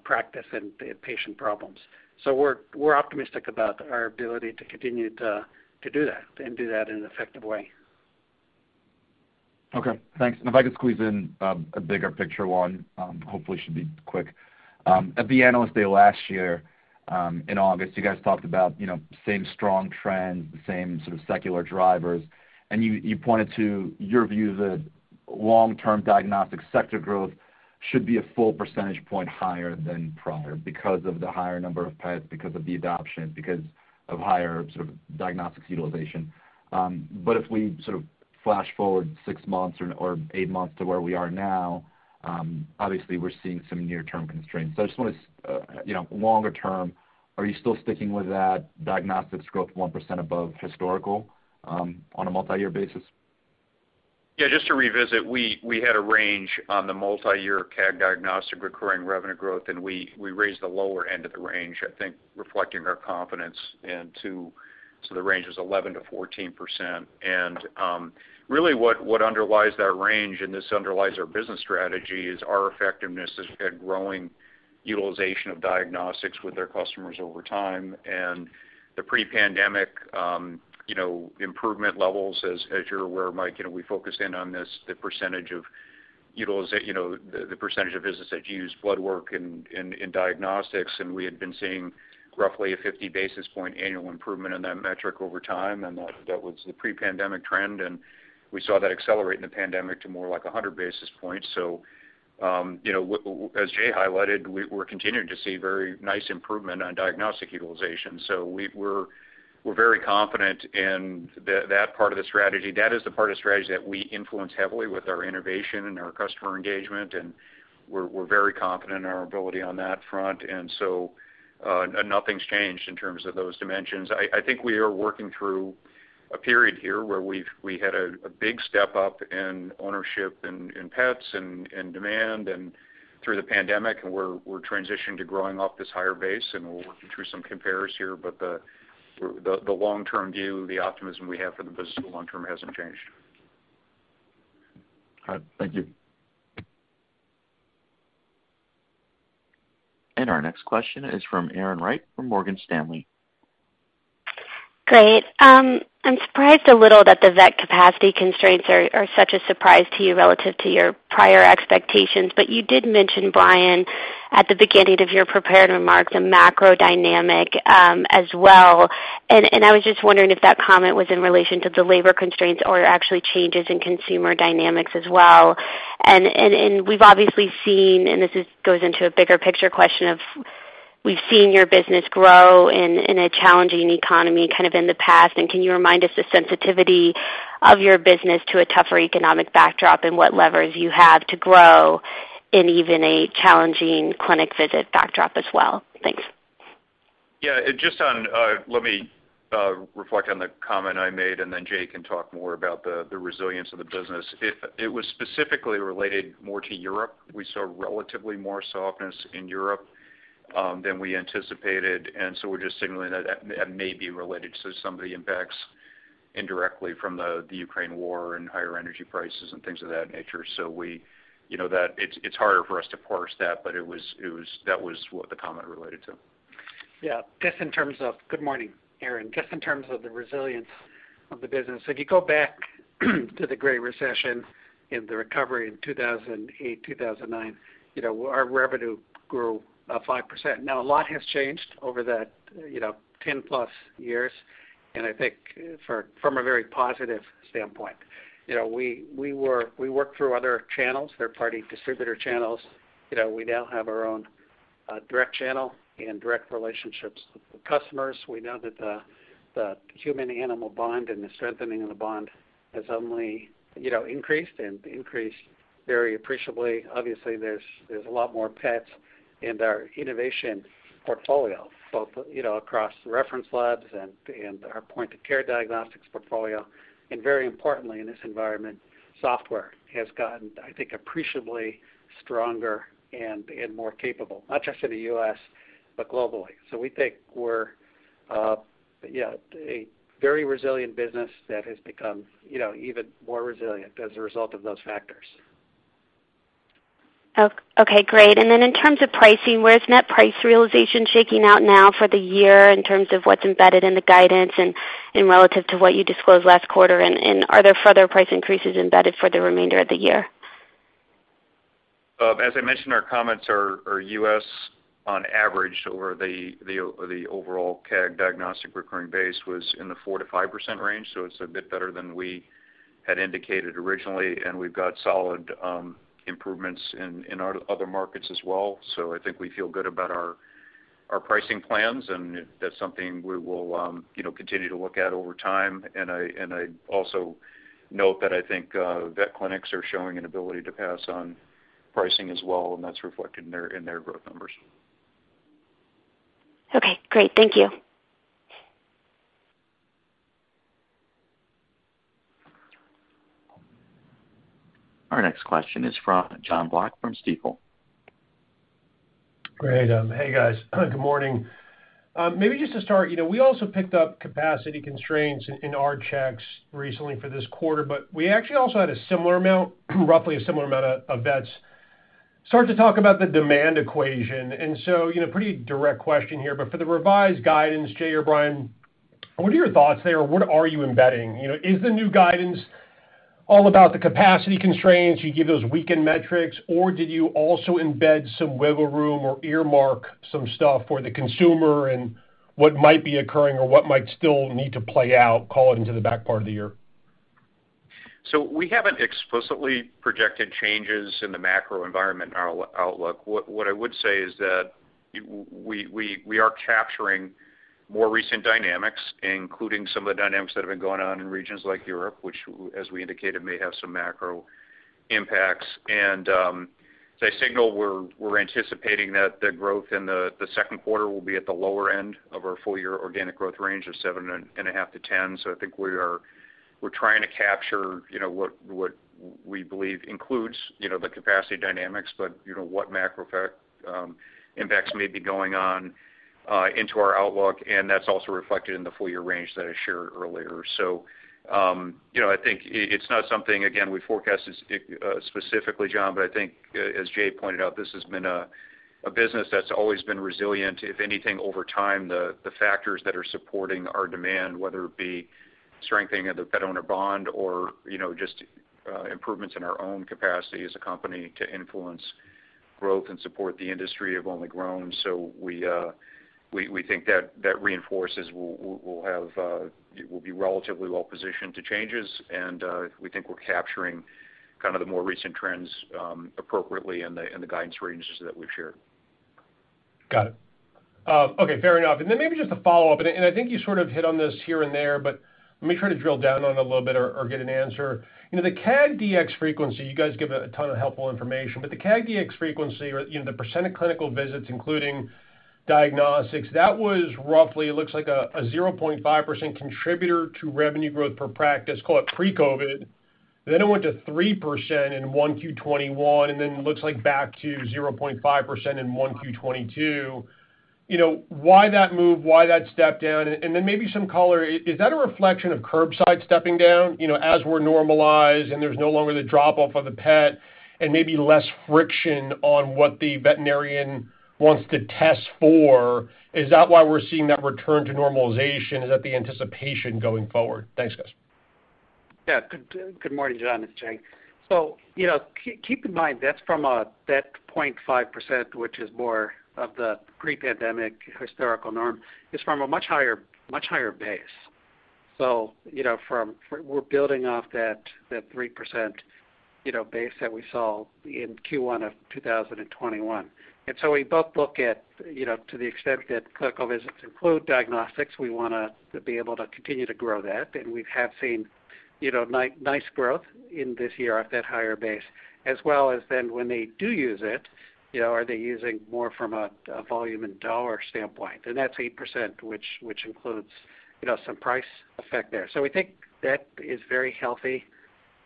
practice and patient problems. We're optimistic about our ability to continue to do that in an effective way. Okay, thanks. If I could squeeze in a bigger picture one, hopefully should be quick. At the Analyst Day last year in August, you guys talked about, you know, same strong trends, the same sort of secular drivers. You pointed to your view that long-term diagnostic sector growth should be a full percentage point higher than prior because of the higher number of pets, because of the adoption, because of higher sort of diagnostics utilization. If we sort of flash forward six months or eight months to where we are now, obviously we're seeing some near-term constraints. I just wanna, you know, longer term, are you still sticking with that diagnostics growth 1% above historical on a multi-year basis? Yeah, just to revisit, we had a range on the multi-year CAG Diagnostics recurring revenue growth, and we raised the lower end of the range, I think reflecting our confidence. The range is 11%-14%. Really what underlies that range, and this underlies our business strategy, is our effectiveness has had growing utilization of diagnostics with their customers over time. The pre-pandemic, you know, improvement levels, as you're aware, Mike, you know, we focused in on this, you know, the percentage of business that use blood work in diagnostics. We had been seeing roughly a 50 basis point annual improvement in that metric over time, and that was the pre-pandemic trend. We saw that accelerate in the pandemic to more like a 100 basis points. You know, as Jay highlighted, we're continuing to see very nice improvement on diagnostic utilization. We're very confident in that part of the strategy. That is the part of the strategy that we influence heavily with our innovation and our customer engagement, and we're very confident in our ability on that front. Nothing's changed in terms of those dimensions. I think we are working through a period here where we've had a big step up in ownership in pets and demand through the pandemic, and we're transitioning to growing off this higher base, and we're working through some compares here. The long-term view, the optimism we have for the business long term hasn't changed. All right. Thank you. Our next question is from Erin Wright from Morgan Stanley. Great. I'm surprised a little that the vet capacity constraints are such a surprise to you relative to your prior expectations. You did mention, Brian, at the beginning of your prepared remarks, a macro dynamic as well. We've obviously seen your business grow in a challenging economy kind of in the past. Can you remind us the sensitivity of your business to a tougher economic backdrop and what levers you have to grow in even a challenging clinic visit backdrop as well? Thanks. Yeah. Just on, let me reflect on the comment I made, and then Jay can talk more about the resilience of the business. If it was specifically related more to Europe, we saw relatively more softness in Europe than we anticipated. We're just signaling that may be related to some of the impacts indirectly from the Ukraine war and higher energy prices and things of that nature. You know, it's harder for us to parse that, but that was what the comment related to. Yeah. Good morning, Erin. Just in terms of the resilience of the business, if you go back to the Great Recession and the recovery in 2008, 2009, you know, our revenue grew 5%. Now, a lot has changed over that, you know, 10+ years, and I think from a very positive standpoint. You know, we worked through other channels, third-party distributor channels. You know, we now have our own direct channel and direct relationships with customers. We know that the human animal bond and the strengthening of the bond has only, you know, increased very appreciably. Obviously, there's a lot more pets in our innovation portfolio, both, you know, across reference labs and our point of care diagnostics portfolio. Very importantly in this environment, software has gotten, I think, appreciably stronger and more capable, not just in the U.S., but globally. We think we're a very resilient business that has become, you know, even more resilient as a result of those factors. Okay, great. In terms of pricing, where's net price realization shaking out now for the year in terms of what's embedded in the guidance and relative to what you disclosed last quarter? Are there further price increases embedded for the remainder of the year? As I mentioned, our comps are U.S. on average over the overall CAG diagnostic recurring base was in the 4%-5% range. It's a bit better than we had indicated originally, and we've got solid improvements in our other markets as well. I think we feel good about our pricing plans, and that's something we will, you know, continue to look at over time. I also note that I think vet clinics are showing an ability to pass on pricing as well, and that's reflected in their growth numbers. Okay, great. Thank you. Our next question is from Jonathan Block from Stifel. Great. Hey, guys. Good morning. Maybe just to start, you know, we also picked up capacity constraints in our checks recently for this quarter, but we actually also had a similar amount, roughly a similar amount of vets start to talk about the demand equation. You know, pretty direct question here, but for the revised guidance, Jay or Brian, what are your thoughts there, or what are you embedding? You know, is the new guidance all about the capacity constraints, you give those weekend metrics, or did you also embed some wiggle room or earmark some stuff for the consumer and what might be occurring or what might still need to play out, call it into the back part of the year? We haven't explicitly projected changes in the macro environment in our outlook. What I would say is that we are capturing more recent dynamics, including some of the dynamics that have been going on in regions like Europe, which, as we indicated, may have some macro impacts. As I signaled, we're anticipating that the growth in the second quarter will be at the lower end of our full year organic growth range of 7.5%-10%. I think we're trying to capture, you know, what we believe includes, you know, the capacity dynamics, but, you know, what macro effect impacts may be going on into our outlook, and that's also reflected in the full year range that I shared earlier. I think it's not something, again, we forecast this specifically, John, but I think as Jay pointed out, this has been a business that's always been resilient. If anything, over time, the factors that are supporting our demand, whether it be strengthening of the pet owner bond or you know just improvements in our own capacity as a company to influence growth and support the industry have only grown. We think that reinforces we'll be relatively well-positioned to changes. We think we're capturing kind of the more recent trends appropriately in the guidance ranges that we've shared. Got it. Okay. Fair enough. Then maybe just a follow-up, and I think you sort of hit on this here and there, but let me try to drill down on it a little bit or get an answer. You know, the CAG DX frequency, you guys give a ton of helpful information, but the CAG DX frequency or, you know, the percent of clinical visits, including diagnostics, that was roughly, it looks like a 0.5% contributor to revenue growth per practice, call it pre-COVID. Then it went to 3% in 1Q 2021, and then it looks like back to 0.5% in 1Q 2022. You know, why that move? Why that step down? Then maybe some color. Is that a reflection of curbside stepping down? You know, as we're normalized and there's no longer the drop-off of the pet and maybe less friction on what the veterinarian wants to test for, is that why we're seeing that return to normalization? Is that the anticipation going forward? Thanks, guys. Good morning, John. It's Jay. Keep in mind that's from a 0.5%, which is more of the pre-pandemic historical norm, is from a much higher base. You know, we're building off that 3% base that we saw in Q1 of 2021. We both look at, you know, to the extent that clinical visits include diagnostics, we wanna to be able to continue to grow that. We have seen, you know, nice growth in this year at that higher base, as well as then when they do use it, you know, are they using more from a volume and dollar standpoint? That's 8%, which includes, you know, some price effect there. We think that is very healthy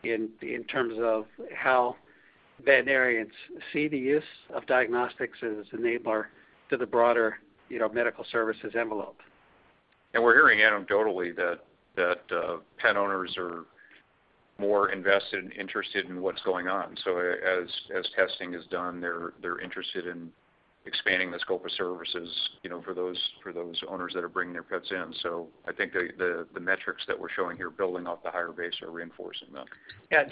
in terms of how veterinarians see the use of diagnostics as an enabler to the broader, you know, medical services envelope. We're hearing anecdotally that pet owners are more invested and interested in what's going on. As testing is done, they're interested in expanding the scope of services, you know, for those owners that are bringing their pets in. I think the metrics that we're showing here, building off the higher base are reinforcing them. Yeah.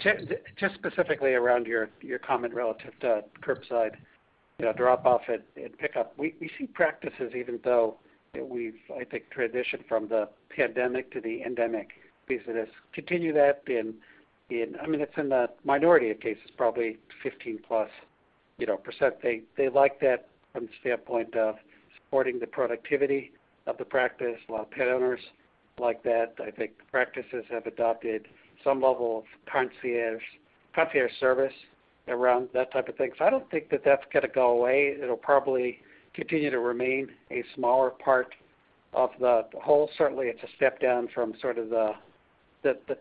Just specifically around your comment relative to curbside, you know, drop-off at pickup. We see practices, even though we've, I think, transitioned from the pandemic to the endemic piece of this, continue that in. I mean, it's in the minority of cases, probably 15+%, you know. They like that from the standpoint of supporting the productivity of the practice, while pet owners like that. I think practices have adopted some level of concierge service around that type of thing. I don't think that that's gonna go away. It'll probably continue to remain a smaller part of the whole. Certainly, it's a step down from sort of the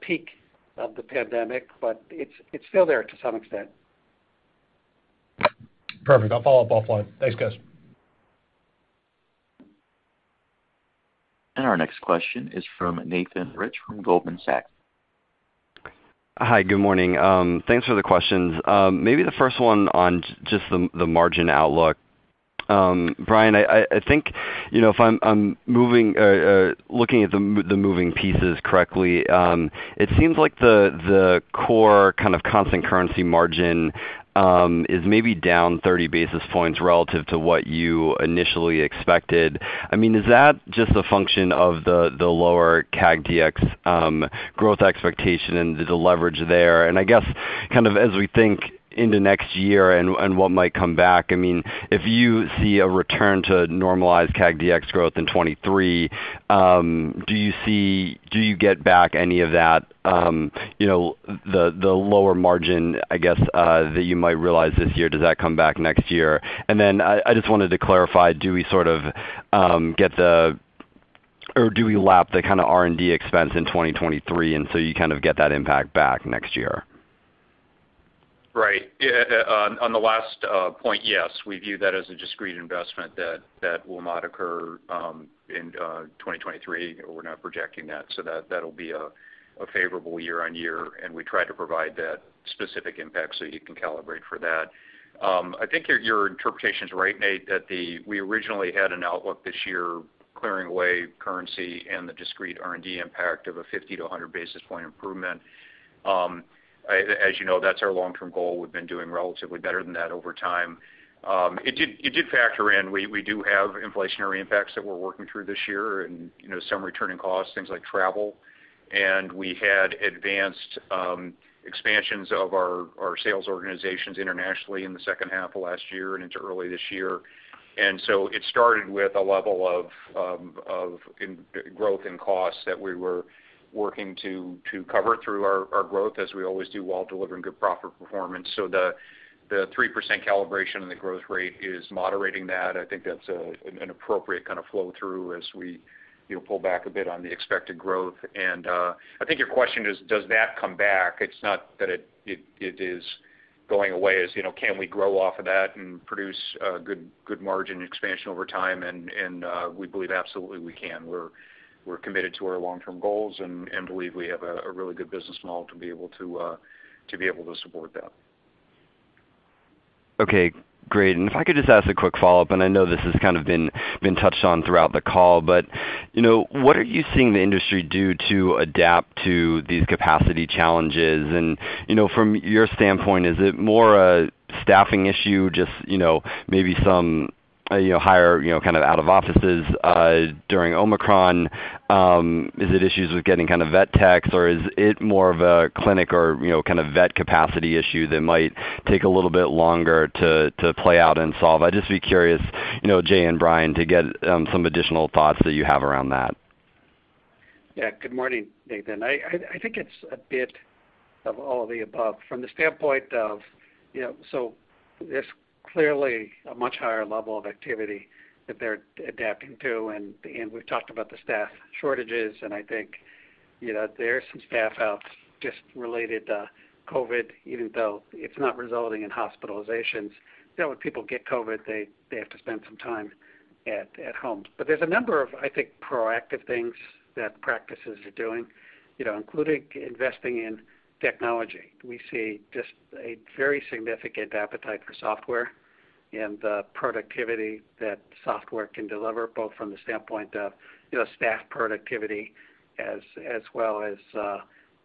peak of the pandemic, but it's still there to some extent. Perfect. I'll follow up offline. Thanks, guys. Our next question is from Nathan Rich from Goldman Sachs. Hi. Good morning. Thanks for the questions. Maybe the first one on just the margin outlook. Brian, I think, you know, if I'm looking at the moving pieces correctly, it seems like the core kind of constant currency margin is maybe down 30 basis points relative to what you initially expected. I mean, is that just a function of the lower CAG DX growth expectation and the leverage there? I guess, kind of as we think into next year and what might come back, I mean, if you see a return to normalized CAG DX growth in 2023, do you get back any of that, you know, the lower margin, I guess, that you might realize this year? Does that come back next year? I just wanted to clarify, do we sort of or do we lap the kind of R&D expense in 2023, and so you kind of get that impact back next year? Right. On the last point, yes. We view that as a discrete investment that will not occur in 2023. We're not projecting that, so that'll be a favorable year-on-year, and we try to provide that specific impact so you can calibrate for that. I think your interpretation's right, Nate, that we originally had an outlook this year clearing away currency and the discrete R&D impact of a 50-basis points to 100-basis point improvement. As you know, that's our long-term goal. We've been doing relatively better than that over time. It did factor in. We do have inflationary impacts that we're working through this year and, you know, some returning costs, things like travel. We had advanced expansions of our sales organizations internationally in the second half of last year and into early this year. It started with a level of growth in costs that we were working to cover through our growth, as we always do, while delivering good profit performance. The 3% calibration in the growth rate is moderating that. I think that's an appropriate kind of flow through as we, you know, pull back a bit on the expected growth. I think your question is, does that come back? It's not that it is going away. It's, you know, can we grow off of that and produce good margin expansion over time? We believe absolutely we can. We're committed to our long-term goals and believe we have a really good business model to be able to support that. Okay. Great. If I could just ask a quick follow-up, and I know this has kind of been touched on throughout the call. You know, what are you seeing the industry do to adapt to these capacity challenges? You know, from your standpoint, is it more a staffing issue, just, you know, maybe some, you know, higher, you know, kind of out of offices during Omicron? Is it issues with getting kind of vet techs, or is it more of a clinic or, you know, kind of vet capacity issue that might take a little bit longer to play out and solve? I'd just be curious, you know, Jay and Brian, to get some additional thoughts that you have around that. Yeah. Good morning, Nathan. I think it's a bit of all of the above. From the standpoint of, you know, so there's clearly a much higher level of activity that they're adapting to, and we've talked about the staff shortages, and I think, you know, there are some staff outs just related to COVID, even though it's not resulting in hospitalizations. You know, when people get COVID, they have to spend some time at home. There's a number of, I think, proactive things that practices are doing, you know, including investing in technology. We see just a very significant appetite for software and the productivity that software can deliver, both from the standpoint of, you know, staff productivity, as well as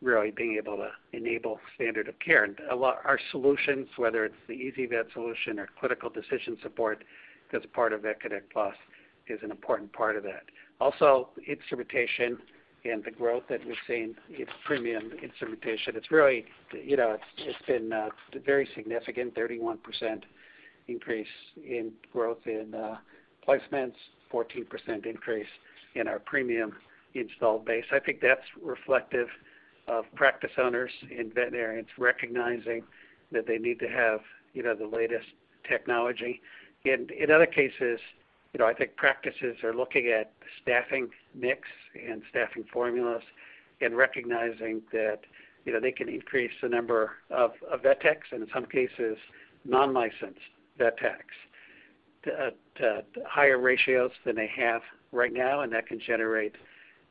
really being able to enable standard of care. Our solutions, whether it's the ezyVet solution or clinical decision support that's part of VetConnect PLUS, is an important part of that. Also, instrumentation and the growth that we've seen in premium instrumentation. It's really, you know, it's been very significant. 31% increase in growth in placements, 14% increase in our premium install base. I think that's reflective of practice owners and veterinarians recognizing that they need to have, you know, the latest technology. In other cases, you know, I think practices are looking at staffing mix and staffing formulas and recognizing that, you know, they can increase the number of vet techs, and in some cases, non-licensed vet techs, at higher ratios than they have right now, and that can generate,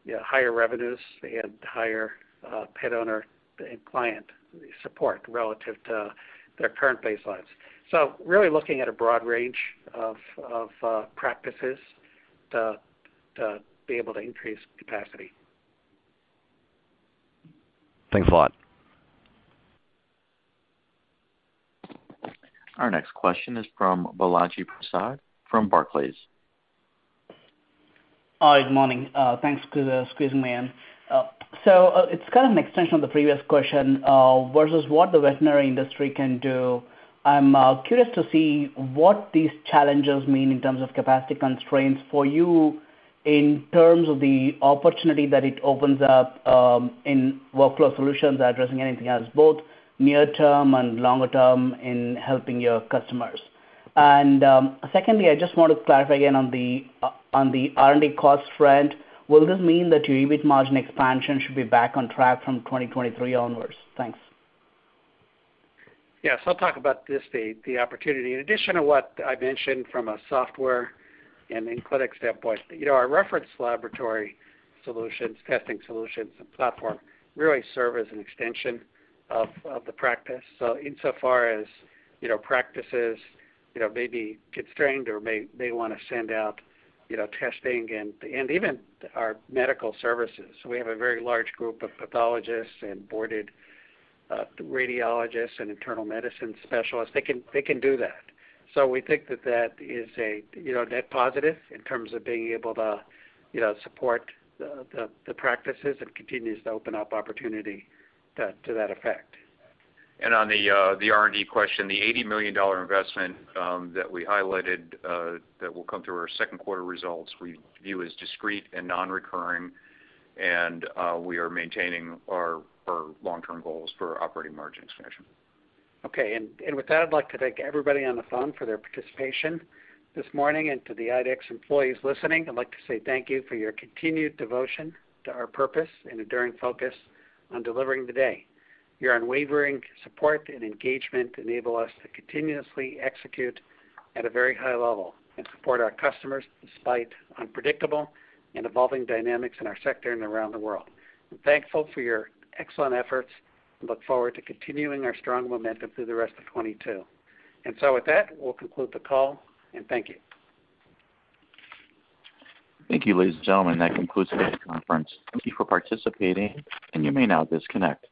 you know, higher revenues and higher pet owner and client support relative to their current baselines. Really looking at a broad range of practices to be able to increase capacity. Thanks a lot. Our next question is from Balaji Prasad from Barclays. Hi, good morning. Thanks for squeezing me in. So, it's kind of an extension of the previous question versus what the veterinary industry can do. I'm curious to see what these challenges mean in terms of capacity constraints for you in terms of the opportunity that it opens up in workflow solutions addressing anything else, both near term and longer term in helping your customers. Secondly, I just want to clarify again on the R&D cost front. Will this mean that your EBIT margin expansion should be back on track from 2023 onwards? Thanks. Yes, I'll talk about the opportunity. In addition to what I mentioned from a software and in clinic standpoint, you know, our reference laboratory solutions, testing solutions, and platform really serve as an extension of the practice. So insofar as, you know, practices, you know, may be constrained or they wanna send out, you know, testing and even our medical services. We have a very large group of pathologists and boarded radiologists and internal medicine specialists. They can do that. So we think that is a, you know, net positive in terms of being able to, you know, support the practices and continues to open up opportunity to that effect. On the R&D question, the $80 million investment that we highlighted that will come through our second quarter results, we view as discrete and non-recurring, and we are maintaining our long-term goals for operating margin expansion. Okay. With that, I'd like to thank everybody on the phone for their participation this morning. To the IDEXX employees listening, I'd like to say thank you for your continued devotion to our purpose and enduring focus on delivering the day. Your unwavering support and engagement enable us to continuously execute at a very high level and support our customers despite unpredictable and evolving dynamics in our sector and around the world. I'm thankful for your excellent efforts and look forward to continuing our strong momentum through the rest of 2022. With that, we'll conclude the call, and thank you. Thank you, ladies and gentlemen. That concludes today's conference. Thank you for participating, and you may now disconnect.